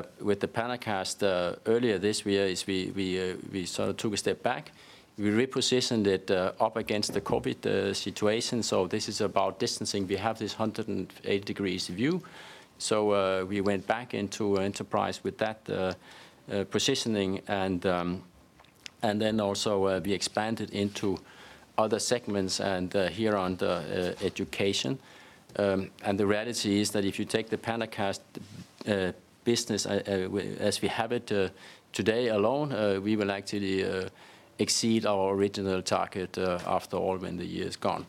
PanaCast earlier this year is we sort of took a step back. We repositioned it up against the COVID situation. This is about distancing. We have this 180 degrees view. We went back into enterprise with that positioning, also we expanded into other segments and here on the education. The reality is that if you take the PanaCast business as we have it today alone, we will actually exceed our original target after all when the year is gone.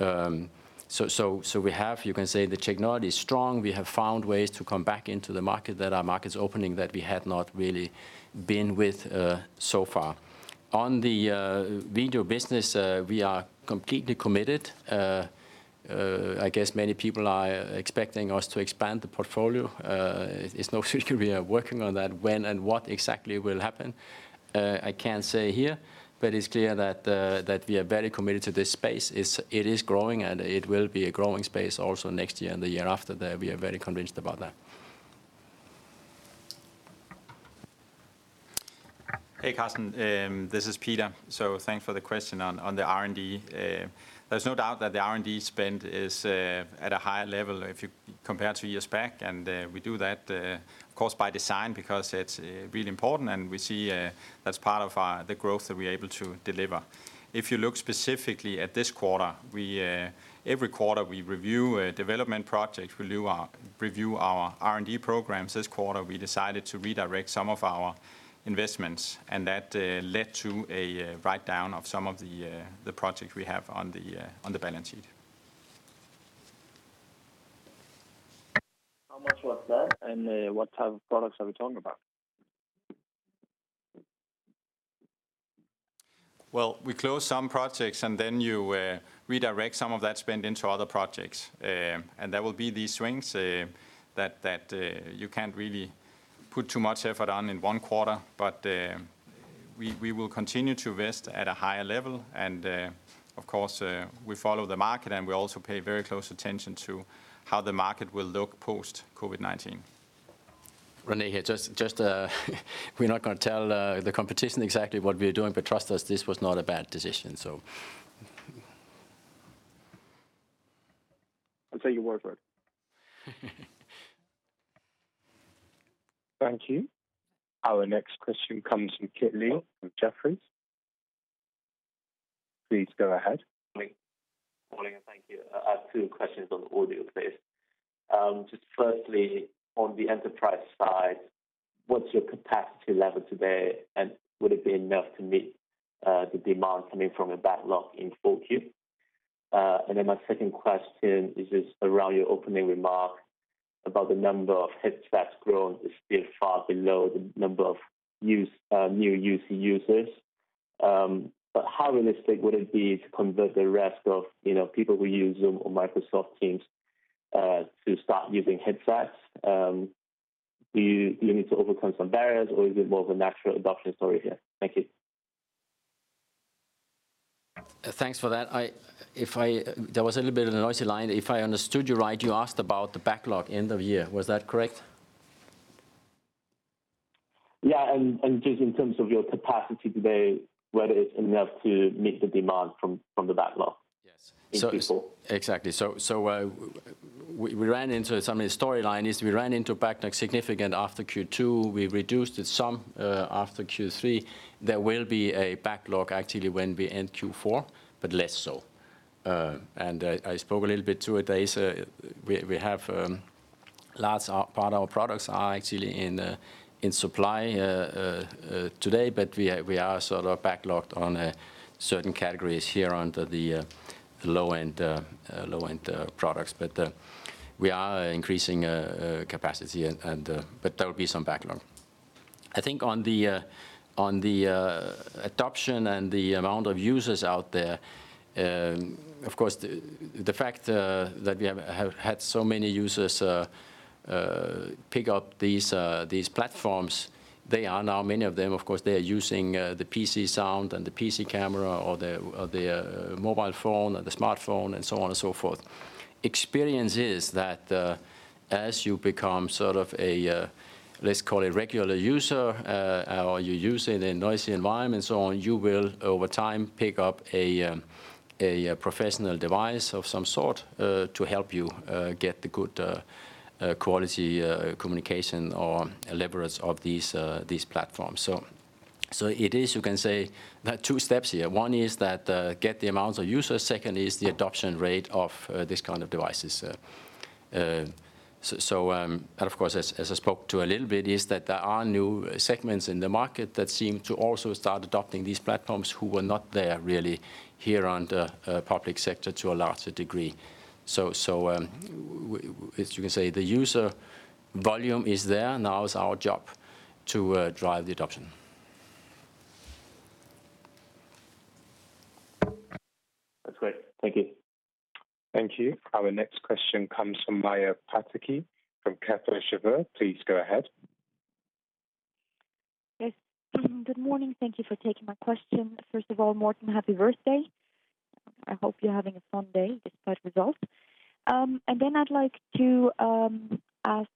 You can say the technology is strong. We have found ways to come back into the market, that our market's opening that we had not really been with so far. On the video business, we are completely committed. I guess many people are expecting us to expand the portfolio. It's no secret we are working on that. When and what exactly will happen, I can't say here, but it's clear that we are very committed to this space. It is growing, and it will be a growing space also next year and the year after that. We are very convinced about that. Hey, Carsten. This is Peter. Thanks for the question on the R&D. There's no doubt that the R&D spend is at a higher level if you compare two years back, and we do that, of course, by design because it's really important, and we see that's part of the growth that we're able to deliver. If you look specifically at this quarter, every quarter, we review development projects. We review our R&D programs. This quarter, we decided to redirect some of our investments, and that led to a write-down of some of the projects we have on the balance sheet. How much was that? What type of products are we talking about? Well, we close some projects, and then you redirect some of that spend into other projects. There will be these swings that you can't really put too much effort on in one quarter. We will continue to invest at a higher level. Of course, we follow the market, and we also pay very close attention to how the market will look post-COVID-19. René here. We're not going to tell the competition exactly what we're doing. Trust us, this was not a bad decision. I'll take your word for it. Thank you. Our next question comes from Nyeok Kit Lee from Jefferies. Please go ahead. Morning, and thank you. I have two questions on audio, please. Firstly, on the enterprise side, what's your capacity level today, and would it be enough to meet the demand coming from a backlog in 4Q? My second question is around your opening remark about the number of headsets grown is still far below the number of new UC users. How realistic would it be to convert the rest of people who use Zoom or Microsoft Teams to start using headsets? Do you need to overcome some barriers, or is it more of a natural adoption story here? Thank you. Thanks for that. There was a little bit of a noisy line. If I understood you right, you asked about the backlog end of year. Was that correct? Yeah, just in terms of your capacity today, whether it's enough to meet the demand from the backlog. Yes. In Q4. We ran into some of the storyline, is we ran into a significant backlog after Q2. We reduced it some after Q3. There will be a backlog actually when we end Q4, but less so. I spoke a little bit to it, we have large part our products are actually in supply today, but we are sort of backlogged on certain categories here under the low-end products. We are increasing capacity, but there will be some backlog. I think on the adoption and the amount of users out there, of course, the fact that we have had so many users pick up these platforms, many of them, of course, they are using the PC sound and the PC camera or their mobile phone or the smartphone and so on and so forth. Experience is that, as you become sort of a let's call it regular user, or you use it in a noisy environment and so on, you will, over time, pick up a professional device of some sort, to help you get the good quality communication or deliverance of these platforms. It is, you can say there are two steps here. One is that get the amounts of users. Second is the adoption rate of these kind of devices. Of course, as I spoke to a little bit, is that there are new segments in the market that seem to also start adopting these platforms who were not there really here on the public sector to a larger degree. As you can say, the user volume is there, now is our job to drive the adoption. That's great. Thank you. Thank you. Our next question comes from Maja Pataki from Kepler Cheuvreux. Please go ahead. Yes. Good morning. Thank you for taking my question. First of all, Morten, happy birthday. I hope you're having a fun day despite results. I'd like to ask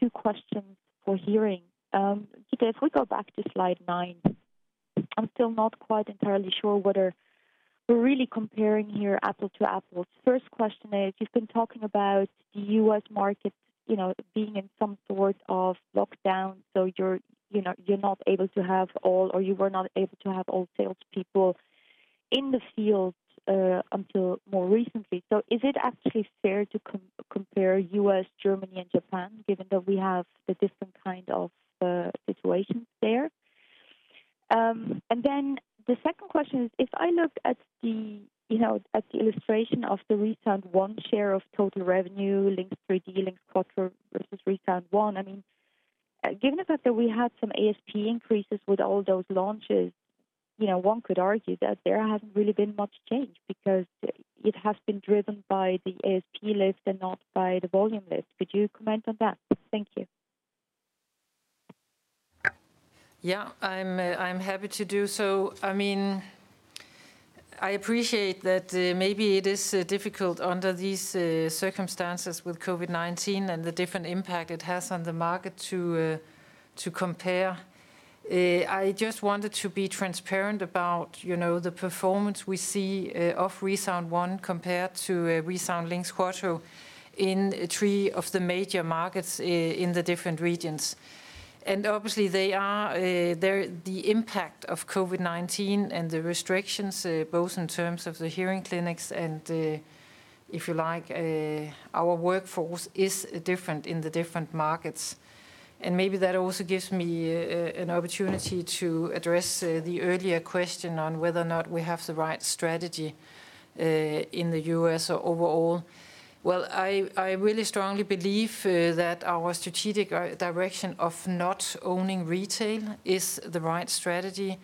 two questions for GN Hearing. Gitte, if we go back to slide nine, I'm still not quite entirely sure whether we're really comparing here apple to apple. First question is, you've been talking about the U.S. market being in some sort of lockdown, you're not able to have all salespeople in the field, until more recently. Is it actually fair to compare U.S., Germany, and Japan, given that we have the different kind of situations there? The second question is, if I look at the illustration of the ReSound ONE share of total revenue, LiNX 3D, LiNX Quattro versus ReSound ONE, given the fact that we had some ASP increases with all those launches, one could argue that there hasn't really been much change because it has been driven by the ASP lift and not by the volume lift. Could you comment on that? Thank you. I'm happy to do so. I appreciate that maybe it is difficult under these circumstances with COVID-19 and the different impact it has on the market to compare. I just wanted to be transparent about the performance we see of ReSound ONE compared to ReSound LiNX Quattro in three of the major markets in the different regions. Obviously the impact of COVID-19 and the restrictions, both in terms of the hearing clinics and, if you like, our workforce is different in the different markets. Maybe that also gives me an opportunity to address the earlier question on whether or not we have the right strategy in the U.S. or overall. I really strongly believe that our strategic direction of not owning retail is the right strategy.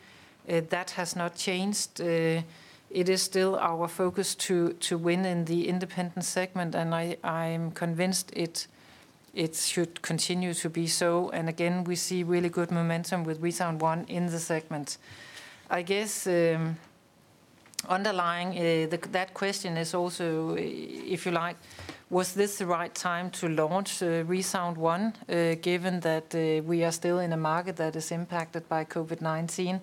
That has not changed. It is still our focus to win in the independent segment, I'm convinced it should continue to be so, again, we see really good momentum with ReSound ONE in the segment. I guess, underlying that question is also, if you like, was this the right time to launch ReSound ONE, given that we are still in a market that is impacted by COVID-19?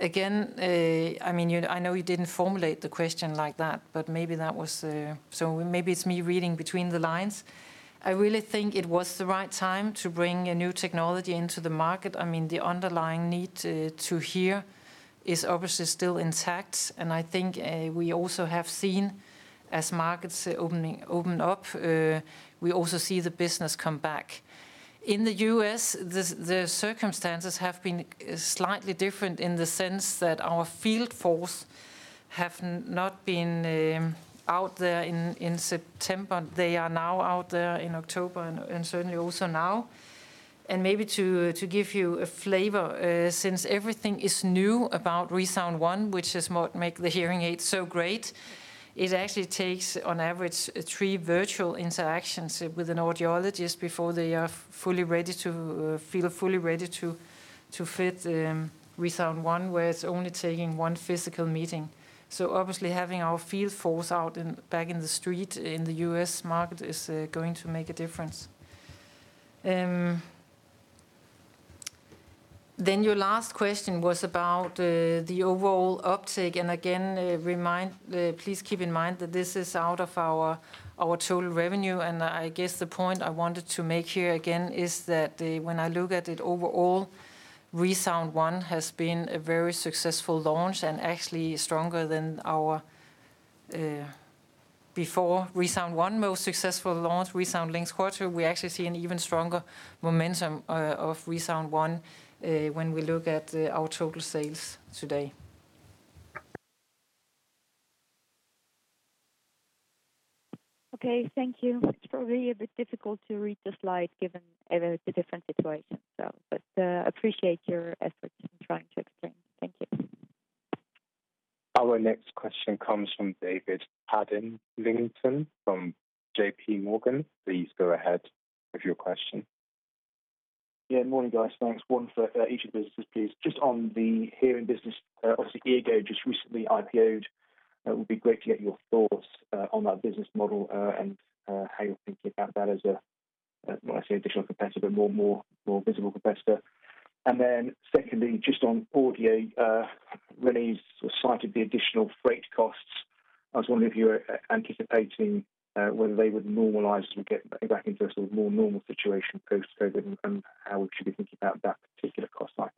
I know you didn't formulate the question like that, maybe it's me reading between the lines. I really think it was the right time to bring a new technology into the market. The underlying need to hear is obviously still intact, I think we also have seen as markets open up, we also see the business come back. In the U.S., the circumstances have been slightly different in the sense that our field force have not been out there in September. They are now out there in October and certainly also now. Maybe to give you a flavor, since everything is new about ReSound ONE, which is what make the hearing aid so great, it actually takes on average three virtual interactions with an audiologist before they feel fully ready to fit ReSound ONE, where it's only taking one physical meeting. Obviously having our field force out back in the street in the U.S. market is going to make a difference. Your last question was about the overall uptake. Again, please keep in mind that this is out of our total revenue. I guess the point I wanted to make here again is that when I look at it overall, ReSound ONE has been a very successful launch and actually stronger than our, before ReSound ONE most successful launch, ReSound LiNX Quattro. We actually see an even stronger momentum of ReSound ONE when we look at our total sales today. Okay, thank you. It's probably a bit difficult to read the slide given a very different situation, so, but appreciate your efforts in trying to explain. Thank you. Our next question comes from David Adlington from JPMorgan. Please go ahead with your question. Yeah, morning guys. Thanks. One for each of the businesses, please. Just on the Hearing business, obviously Eargo just recently IPO'd. It would be great to get your thoughts on that business model and how you're thinking about that as a, well, I say additional competitor, but more visible competitor. Secondly, just on Audio, René cited the additional freight costs. I was wondering if you were anticipating whether they would normalize as we get back into a sort of more normal situation post-COVID, and how we should be thinking about that particular cost item.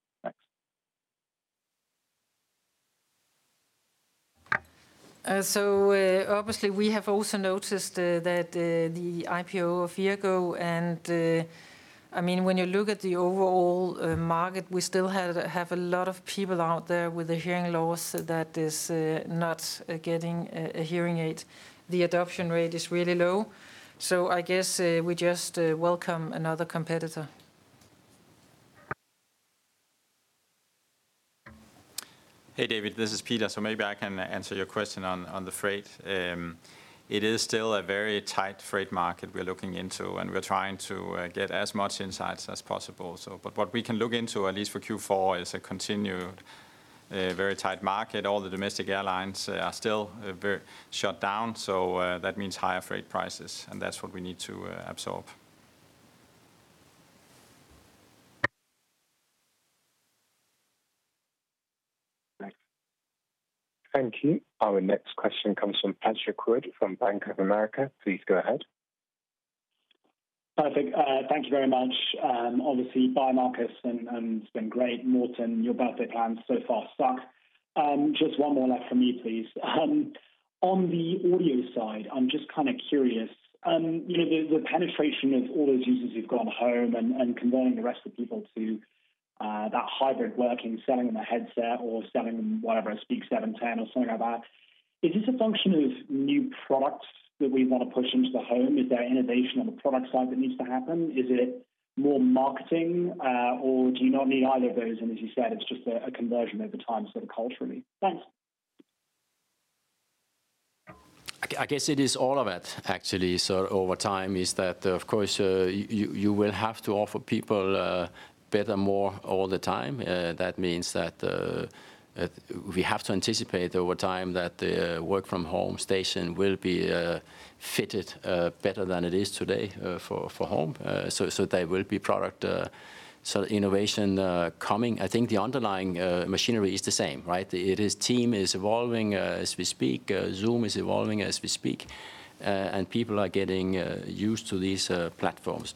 Thanks. Obviously we have also noticed that the IPO of Eargo, and when you look at the overall market, we still have a lot of people out there with a hearing loss that is not getting a hearing aid. The adoption rate is really low. I guess we just welcome another competitor. Hey, David, this is Peter. Maybe I can answer your question on the freight. It is still a very tight freight market we're looking into, and we're trying to get as much insights as possible. What we can look into, at least for Q4, is a continued very tight market. All the domestic airlines are still shut down, so that means higher freight prices, and that's what we need to absorb. Thanks. Thank you. Our next question comes from Patrick Wood from Bank of America. Please go ahead. Perfect. Thank you very much. Bye Marcus, and it's been great. Morten, your birthday plans so far suck. Just one more left from me, please. On the audio side, I'm just kind of curious. The penetration of all those users who've gone home and converting the rest of the people to that hybrid working, selling them a headset or selling them whatever, a Jabra Speak 710 or something like that. Is this a function of new products that we want to push into the home? Is there innovation on the product side that needs to happen? Is it more marketing? Do you not need either of those and as you said, it's just a conversion over time, sort of culturally? Thanks. I guess it is all of that actually. Over time is that, of course, you will have to offer people better, more all the time. That means that we have to anticipate over time that the work from home station will be fitted better than it is today for home. There will be product innovation coming. I think the underlying machinery is the same, right? Teams is evolving as we speak. Zoom is evolving as we speak. People are getting used to these platforms.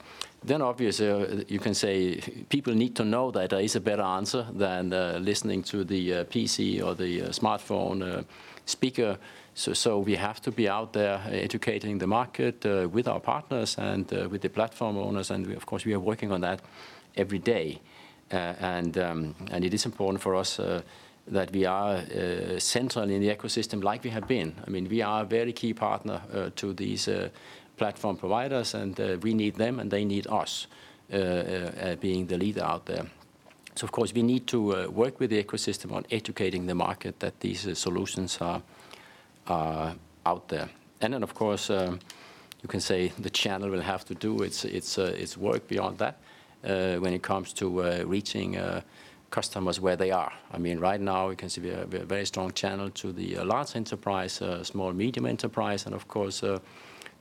Obviously, you can say people need to know that there is a better answer than listening to the PC or the smartphone speaker. We have to be out there educating the market with our partners and with the platform owners, and of course, we are working on that every day. It is important for us that we are central in the ecosystem like we have been. We are a very key partner to these platform providers, and we need them, and they need us, being the leader out there. Of course, we need to work with the ecosystem on educating the market that these solutions are out there. Then, of course, you can say the channel will have to do its work beyond that when it comes to reaching customers where they are. Right now, we can see we have a very strong channel to the large enterprise, small-medium enterprise, and of course,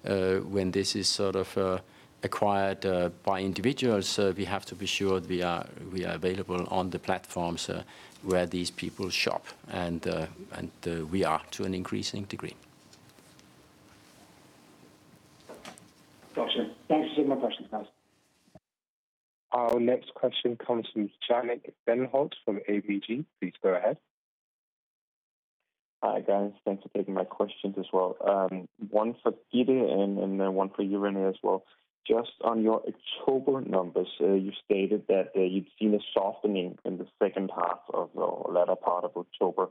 when this is sort of acquired by individuals, we have to be sure we are available on the platforms where these people shop, and we are to an increasing degree. Got you. Thanks for taking my questions, guys. Our next question comes from Jannick Denholt from ABG. Please go ahead. Hi, guys. Thanks for taking my questions as well. One for Gitte then one for you, René, as well. Just on your October numbers, you stated that you'd seen a softening in the second half of, or latter part of October.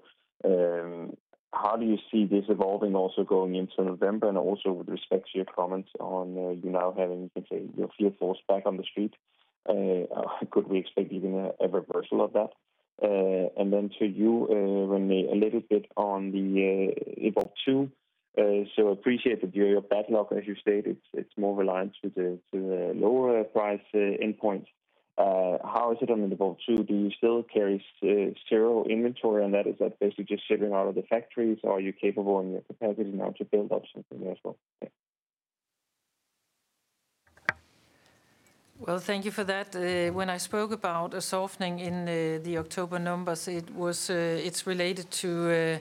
How do you see this evolving also going into November? Also with respect to your comments on you now having, you can say, your field force back on the street, could we expect even a reversal of that? Then to you, René, a little bit on the Evolve2. Appreciate that you're a backlog, as you stated, it's more reliant to the lower price endpoints. How is it on the Evolve2? Do you still carry zero inventory on that? Is that basically just shipping out of the factories, or are you capable in your capacity now to build up something there as well? Thanks. Thank you for that. When I spoke about a softening in the October numbers, it's related to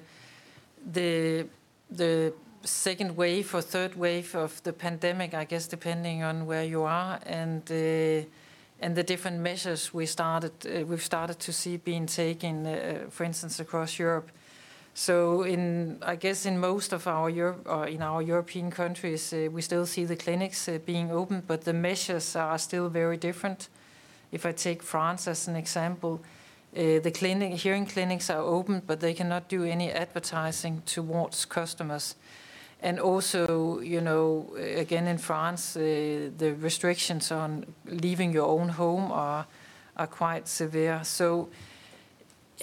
the second wave or third wave of the pandemic, I guess, depending on where you are, and the different measures we've started to see being taken, for instance, across Europe. I guess in most of our European countries, we still see the clinics being open, but the measures are still very different. If I take France as an example, the hearing clinics are open, but they cannot do any advertising towards customers. Also, again, in France, the restrictions on leaving your own home are quite severe.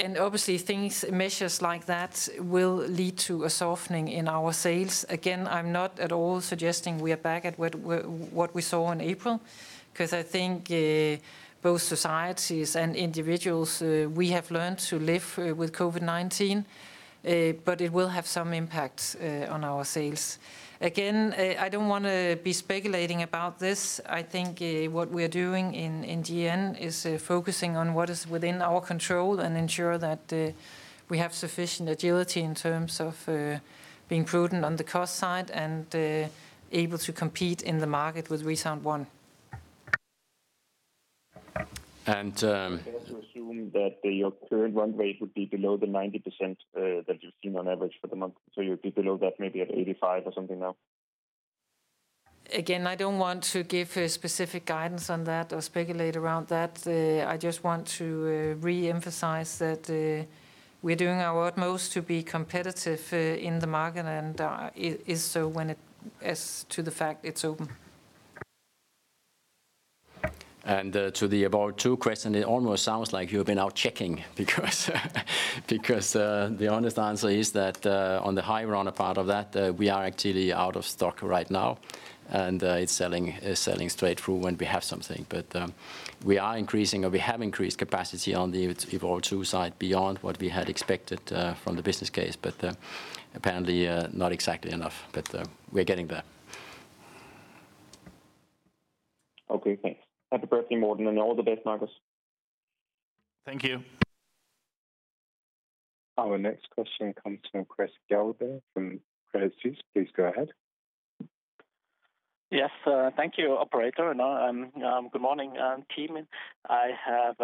Obviously measures like that will lead to a softening in our sales. I'm not at all suggesting we are back at what we saw in April, because I think both societies and individuals, we have learned to live with COVID-19, but it will have some impact on our sales. I don't want to be speculating about this. I think what we are doing in GN is focusing on what is within our control and ensure that we have sufficient agility in terms of being prudent on the cost side and able to compete in the market with ReSound ONE. And- Is it fair to assume that your current run rate would be below the 90% that you've seen on average for the month? You'd be below that maybe at 85% or something now? I don't want to give specific guidance on that or speculate around that. I just want to re-emphasize that we're doing our utmost to be competitive in the market, and is so when it is to the fact it's open. To the Evolve2 question, it almost sounds like you've been out checking, because the honest answer is that on the high runner part of that, we are actually out of stock right now. It's selling straight through when we have something. We are increasing, or we have increased capacity on the Evolve2 side beyond what we had expected from the business case. Apparently not exactly enough. We're getting there. Okay, thanks. Happy birthday, Morten, and all the best, Marcus. Thank you. Our next question comes from Chris Gretler from Credit Suisse. Please go ahead. Yes. Thank you, operator. Good morning, team. I have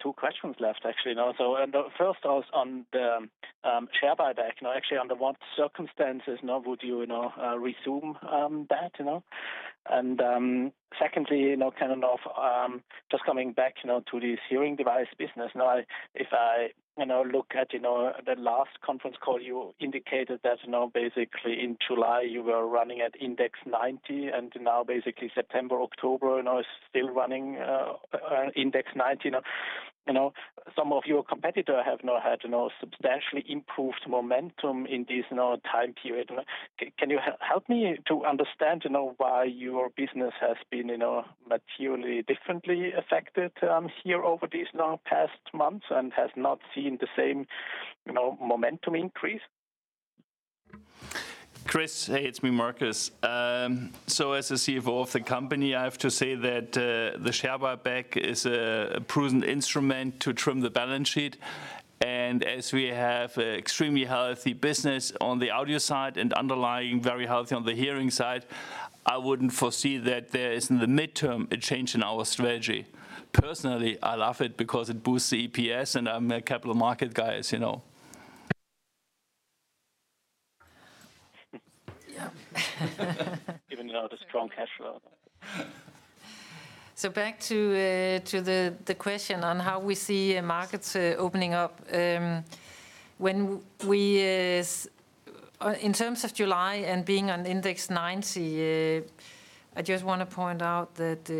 two questions left, actually. The first was on the share buyback. Actually, under what circumstances now would you resume that? Secondly, just coming back to this hearing device business. Now if I look at the last conference call, you indicated that now basically in July, you were running at index 90, and now basically September, October, still running index 90. Some of your competitor have now had substantially improved momentum in this now time period. Can you help me to understand why your business has been materially differently affected here over these now past months and has not seen the same momentum increase? Chris, hey, it's me, Marcus. As the CFO of the company, I have to say that the share buyback is a prudent instrument to trim the balance sheet. As we have extremely healthy business on the audio side and underlying very healthy on the hearing side, I wouldn't foresee that there is in the midterm a change in our strategy. Personally, I love it because it boosts the EPS and I'm a capital market guy, as you know. Yeah. Given the strong cash flow. Back to the question on how we see markets opening up. In terms of July and being on index 90, I just want to point out that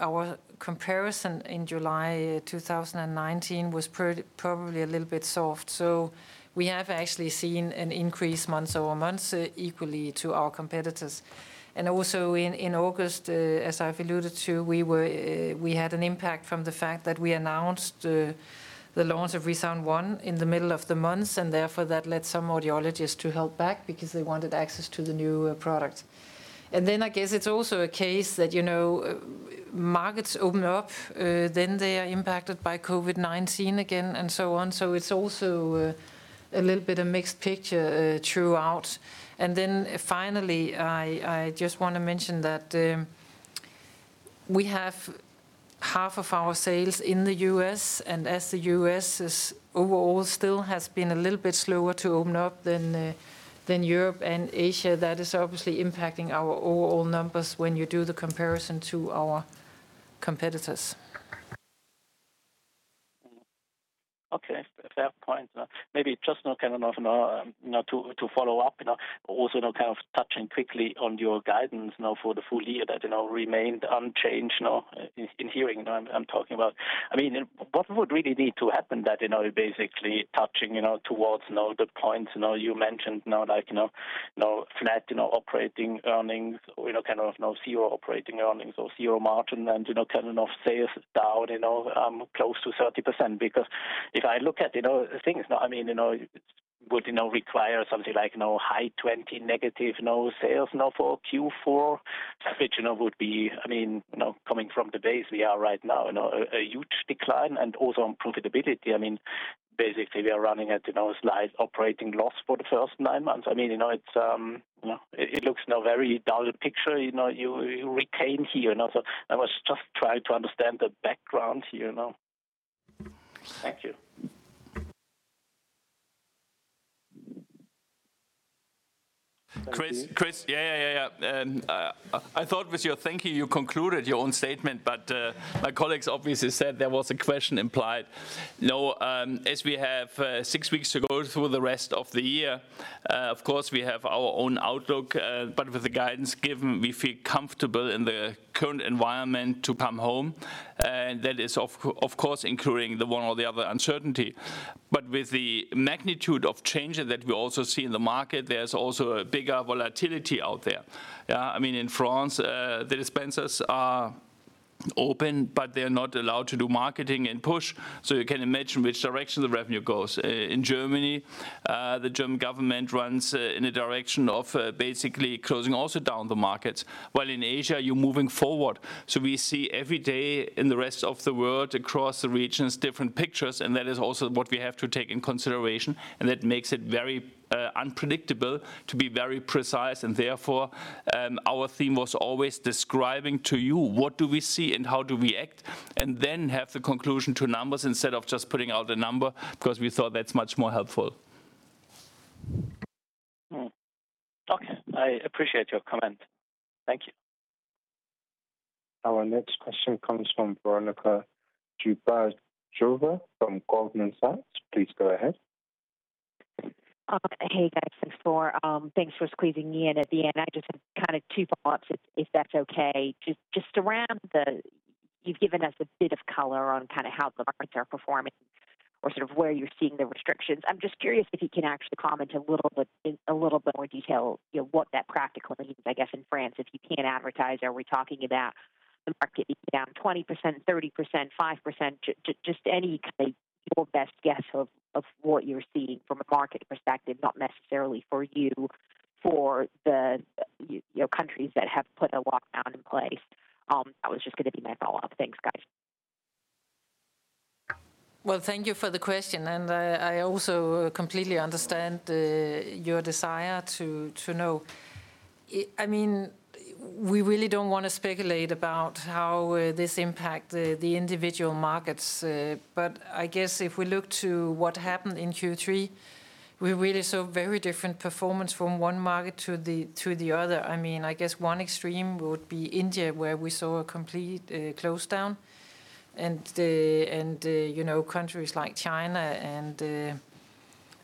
our comparison in July 2019 was probably a little bit soft. We have actually seen an increase month-over-month equally to our competitors. Also in August, as I've alluded to, we had an impact from the fact that we announced the launch of ReSound ONE in the middle of the month, and therefore that led some audiologists to hold back because they wanted access to the new product. I guess it's also a case that markets open up, then they are impacted by COVID-19 again, and so on. It's also a little bit of mixed picture throughout. Finally, I just want to mention that we have half of our sales in the U.S. and as the U.S. is overall still has been a little bit slower to open up than Europe and Asia. That is obviously impacting our overall numbers when you do the comparison to our competitors. Okay. Fair point. Maybe just now to follow up, also now touching quickly on your guidance now for the full year that remained unchanged now in Hearing, now I'm talking about. What would really need to happen that basically touching towards now the points now you mentioned now like no flat operating earnings, kind of no zero operating earnings or zero margin and kind of sales down close to 30%. If I look at things now, I mean it would require something like high 20 negative, no sales for Q4, which would be, coming from the base we are right now, a huge decline and also on profitability. Basically, we are running at a slight operating loss for the first nine months. It looks very dull picture. You retain here. I was just trying to understand the background here now. Thank you. Chris? Yeah. I thought with your "thank you," you concluded your own statement, but my colleagues obviously said there was a question implied. As we have six weeks to go through the rest of the year, of course, we have our own outlook. With the guidance given, we feel comfortable in the current environment to come home. That is, of course, including the one or the other uncertainty. With the magnitude of change that we also see in the market, there's also a bigger volatility out there. In France, the dispensers are open, but they're not allowed to do marketing and push, so you can imagine which direction the revenue goes. In Germany, the German government runs in a direction of basically closing also down the markets, while in Asia, you're moving forward. We see every day in the rest of the world, across the regions, different pictures. That is also what we have to take in consideration. That makes it very unpredictable to be very precise. Therefore, our theme was always describing to you what we see and how we act, then have the conclusion to numbers instead of just putting out a number because we thought that's much more helpful. Okay. I appreciate your comment. Thank you. Our next question comes from Veronika Dubajova from Goldman Sachs. Please go ahead. Hey, guys. Thanks for squeezing me in at the end. I just have two thoughts, if that's okay. Just around the, you've given us a bit of color on how the markets are performing or sort of where you're seeing the restrictions. I'm just curious if you can actually comment in a little bit more detail what that practically means, I guess, in France, if you can't advertise. Are we talking about the market being down 20%, 30%, 5%? Just any kind of your best guess of what you're seeing from a market perspective, not necessarily for you, for the countries that have put a lockdown in place. That was just going to be my follow-up. Thanks, guys. Well, thank you for the question, and I also completely understand your desire to know. We really don't want to speculate about how this impact the individual markets. I guess if we look to what happened in Q3, we really saw very different performance from one market to the other. I guess one extreme would be India, where we saw a complete close down, and countries like China and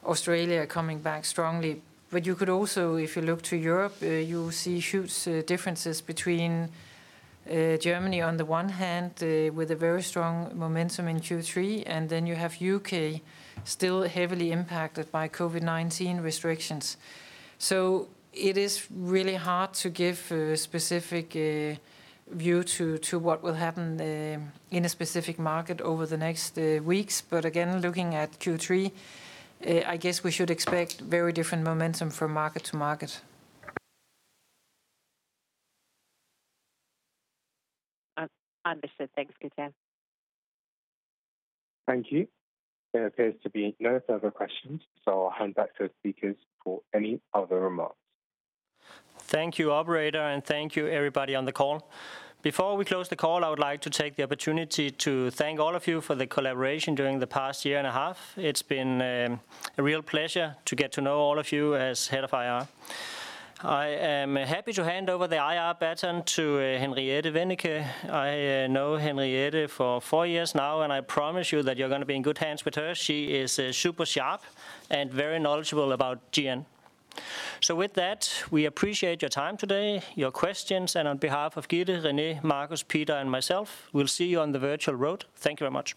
Australia coming back strongly. You could also, if you look to Europe, you see huge differences between Germany on the one hand, with a very strong momentum in Q3, and then you have U.K. still heavily impacted by COVID-19 restrictions. It is really hard to give a specific view to what will happen in a specific market over the next weeks. Again, looking at Q3, I guess we should expect very different momentum from market to market. Understood. Thanks, Gitte. Thank you. There appears to be no further questions. I'll hand back to the speakers for any other remarks. Thank you, operator, and thank you everybody on the call. Before we close the call, I would like to take the opportunity to thank all of you for the collaboration during the past year and a half. It has been a real pleasure to get to know all of you as head of IR. I am happy to hand over the IR baton to Henriette Wennicke. I know Henriette for four years now, and I promise you that you are going to be in good hands with her. She is super sharp and very knowledgeable about GN. With that, we appreciate your time today, your questions, and on behalf of Gitte, René, Marcus, Peter, and myself, we will see you on the virtual road. Thank you very much.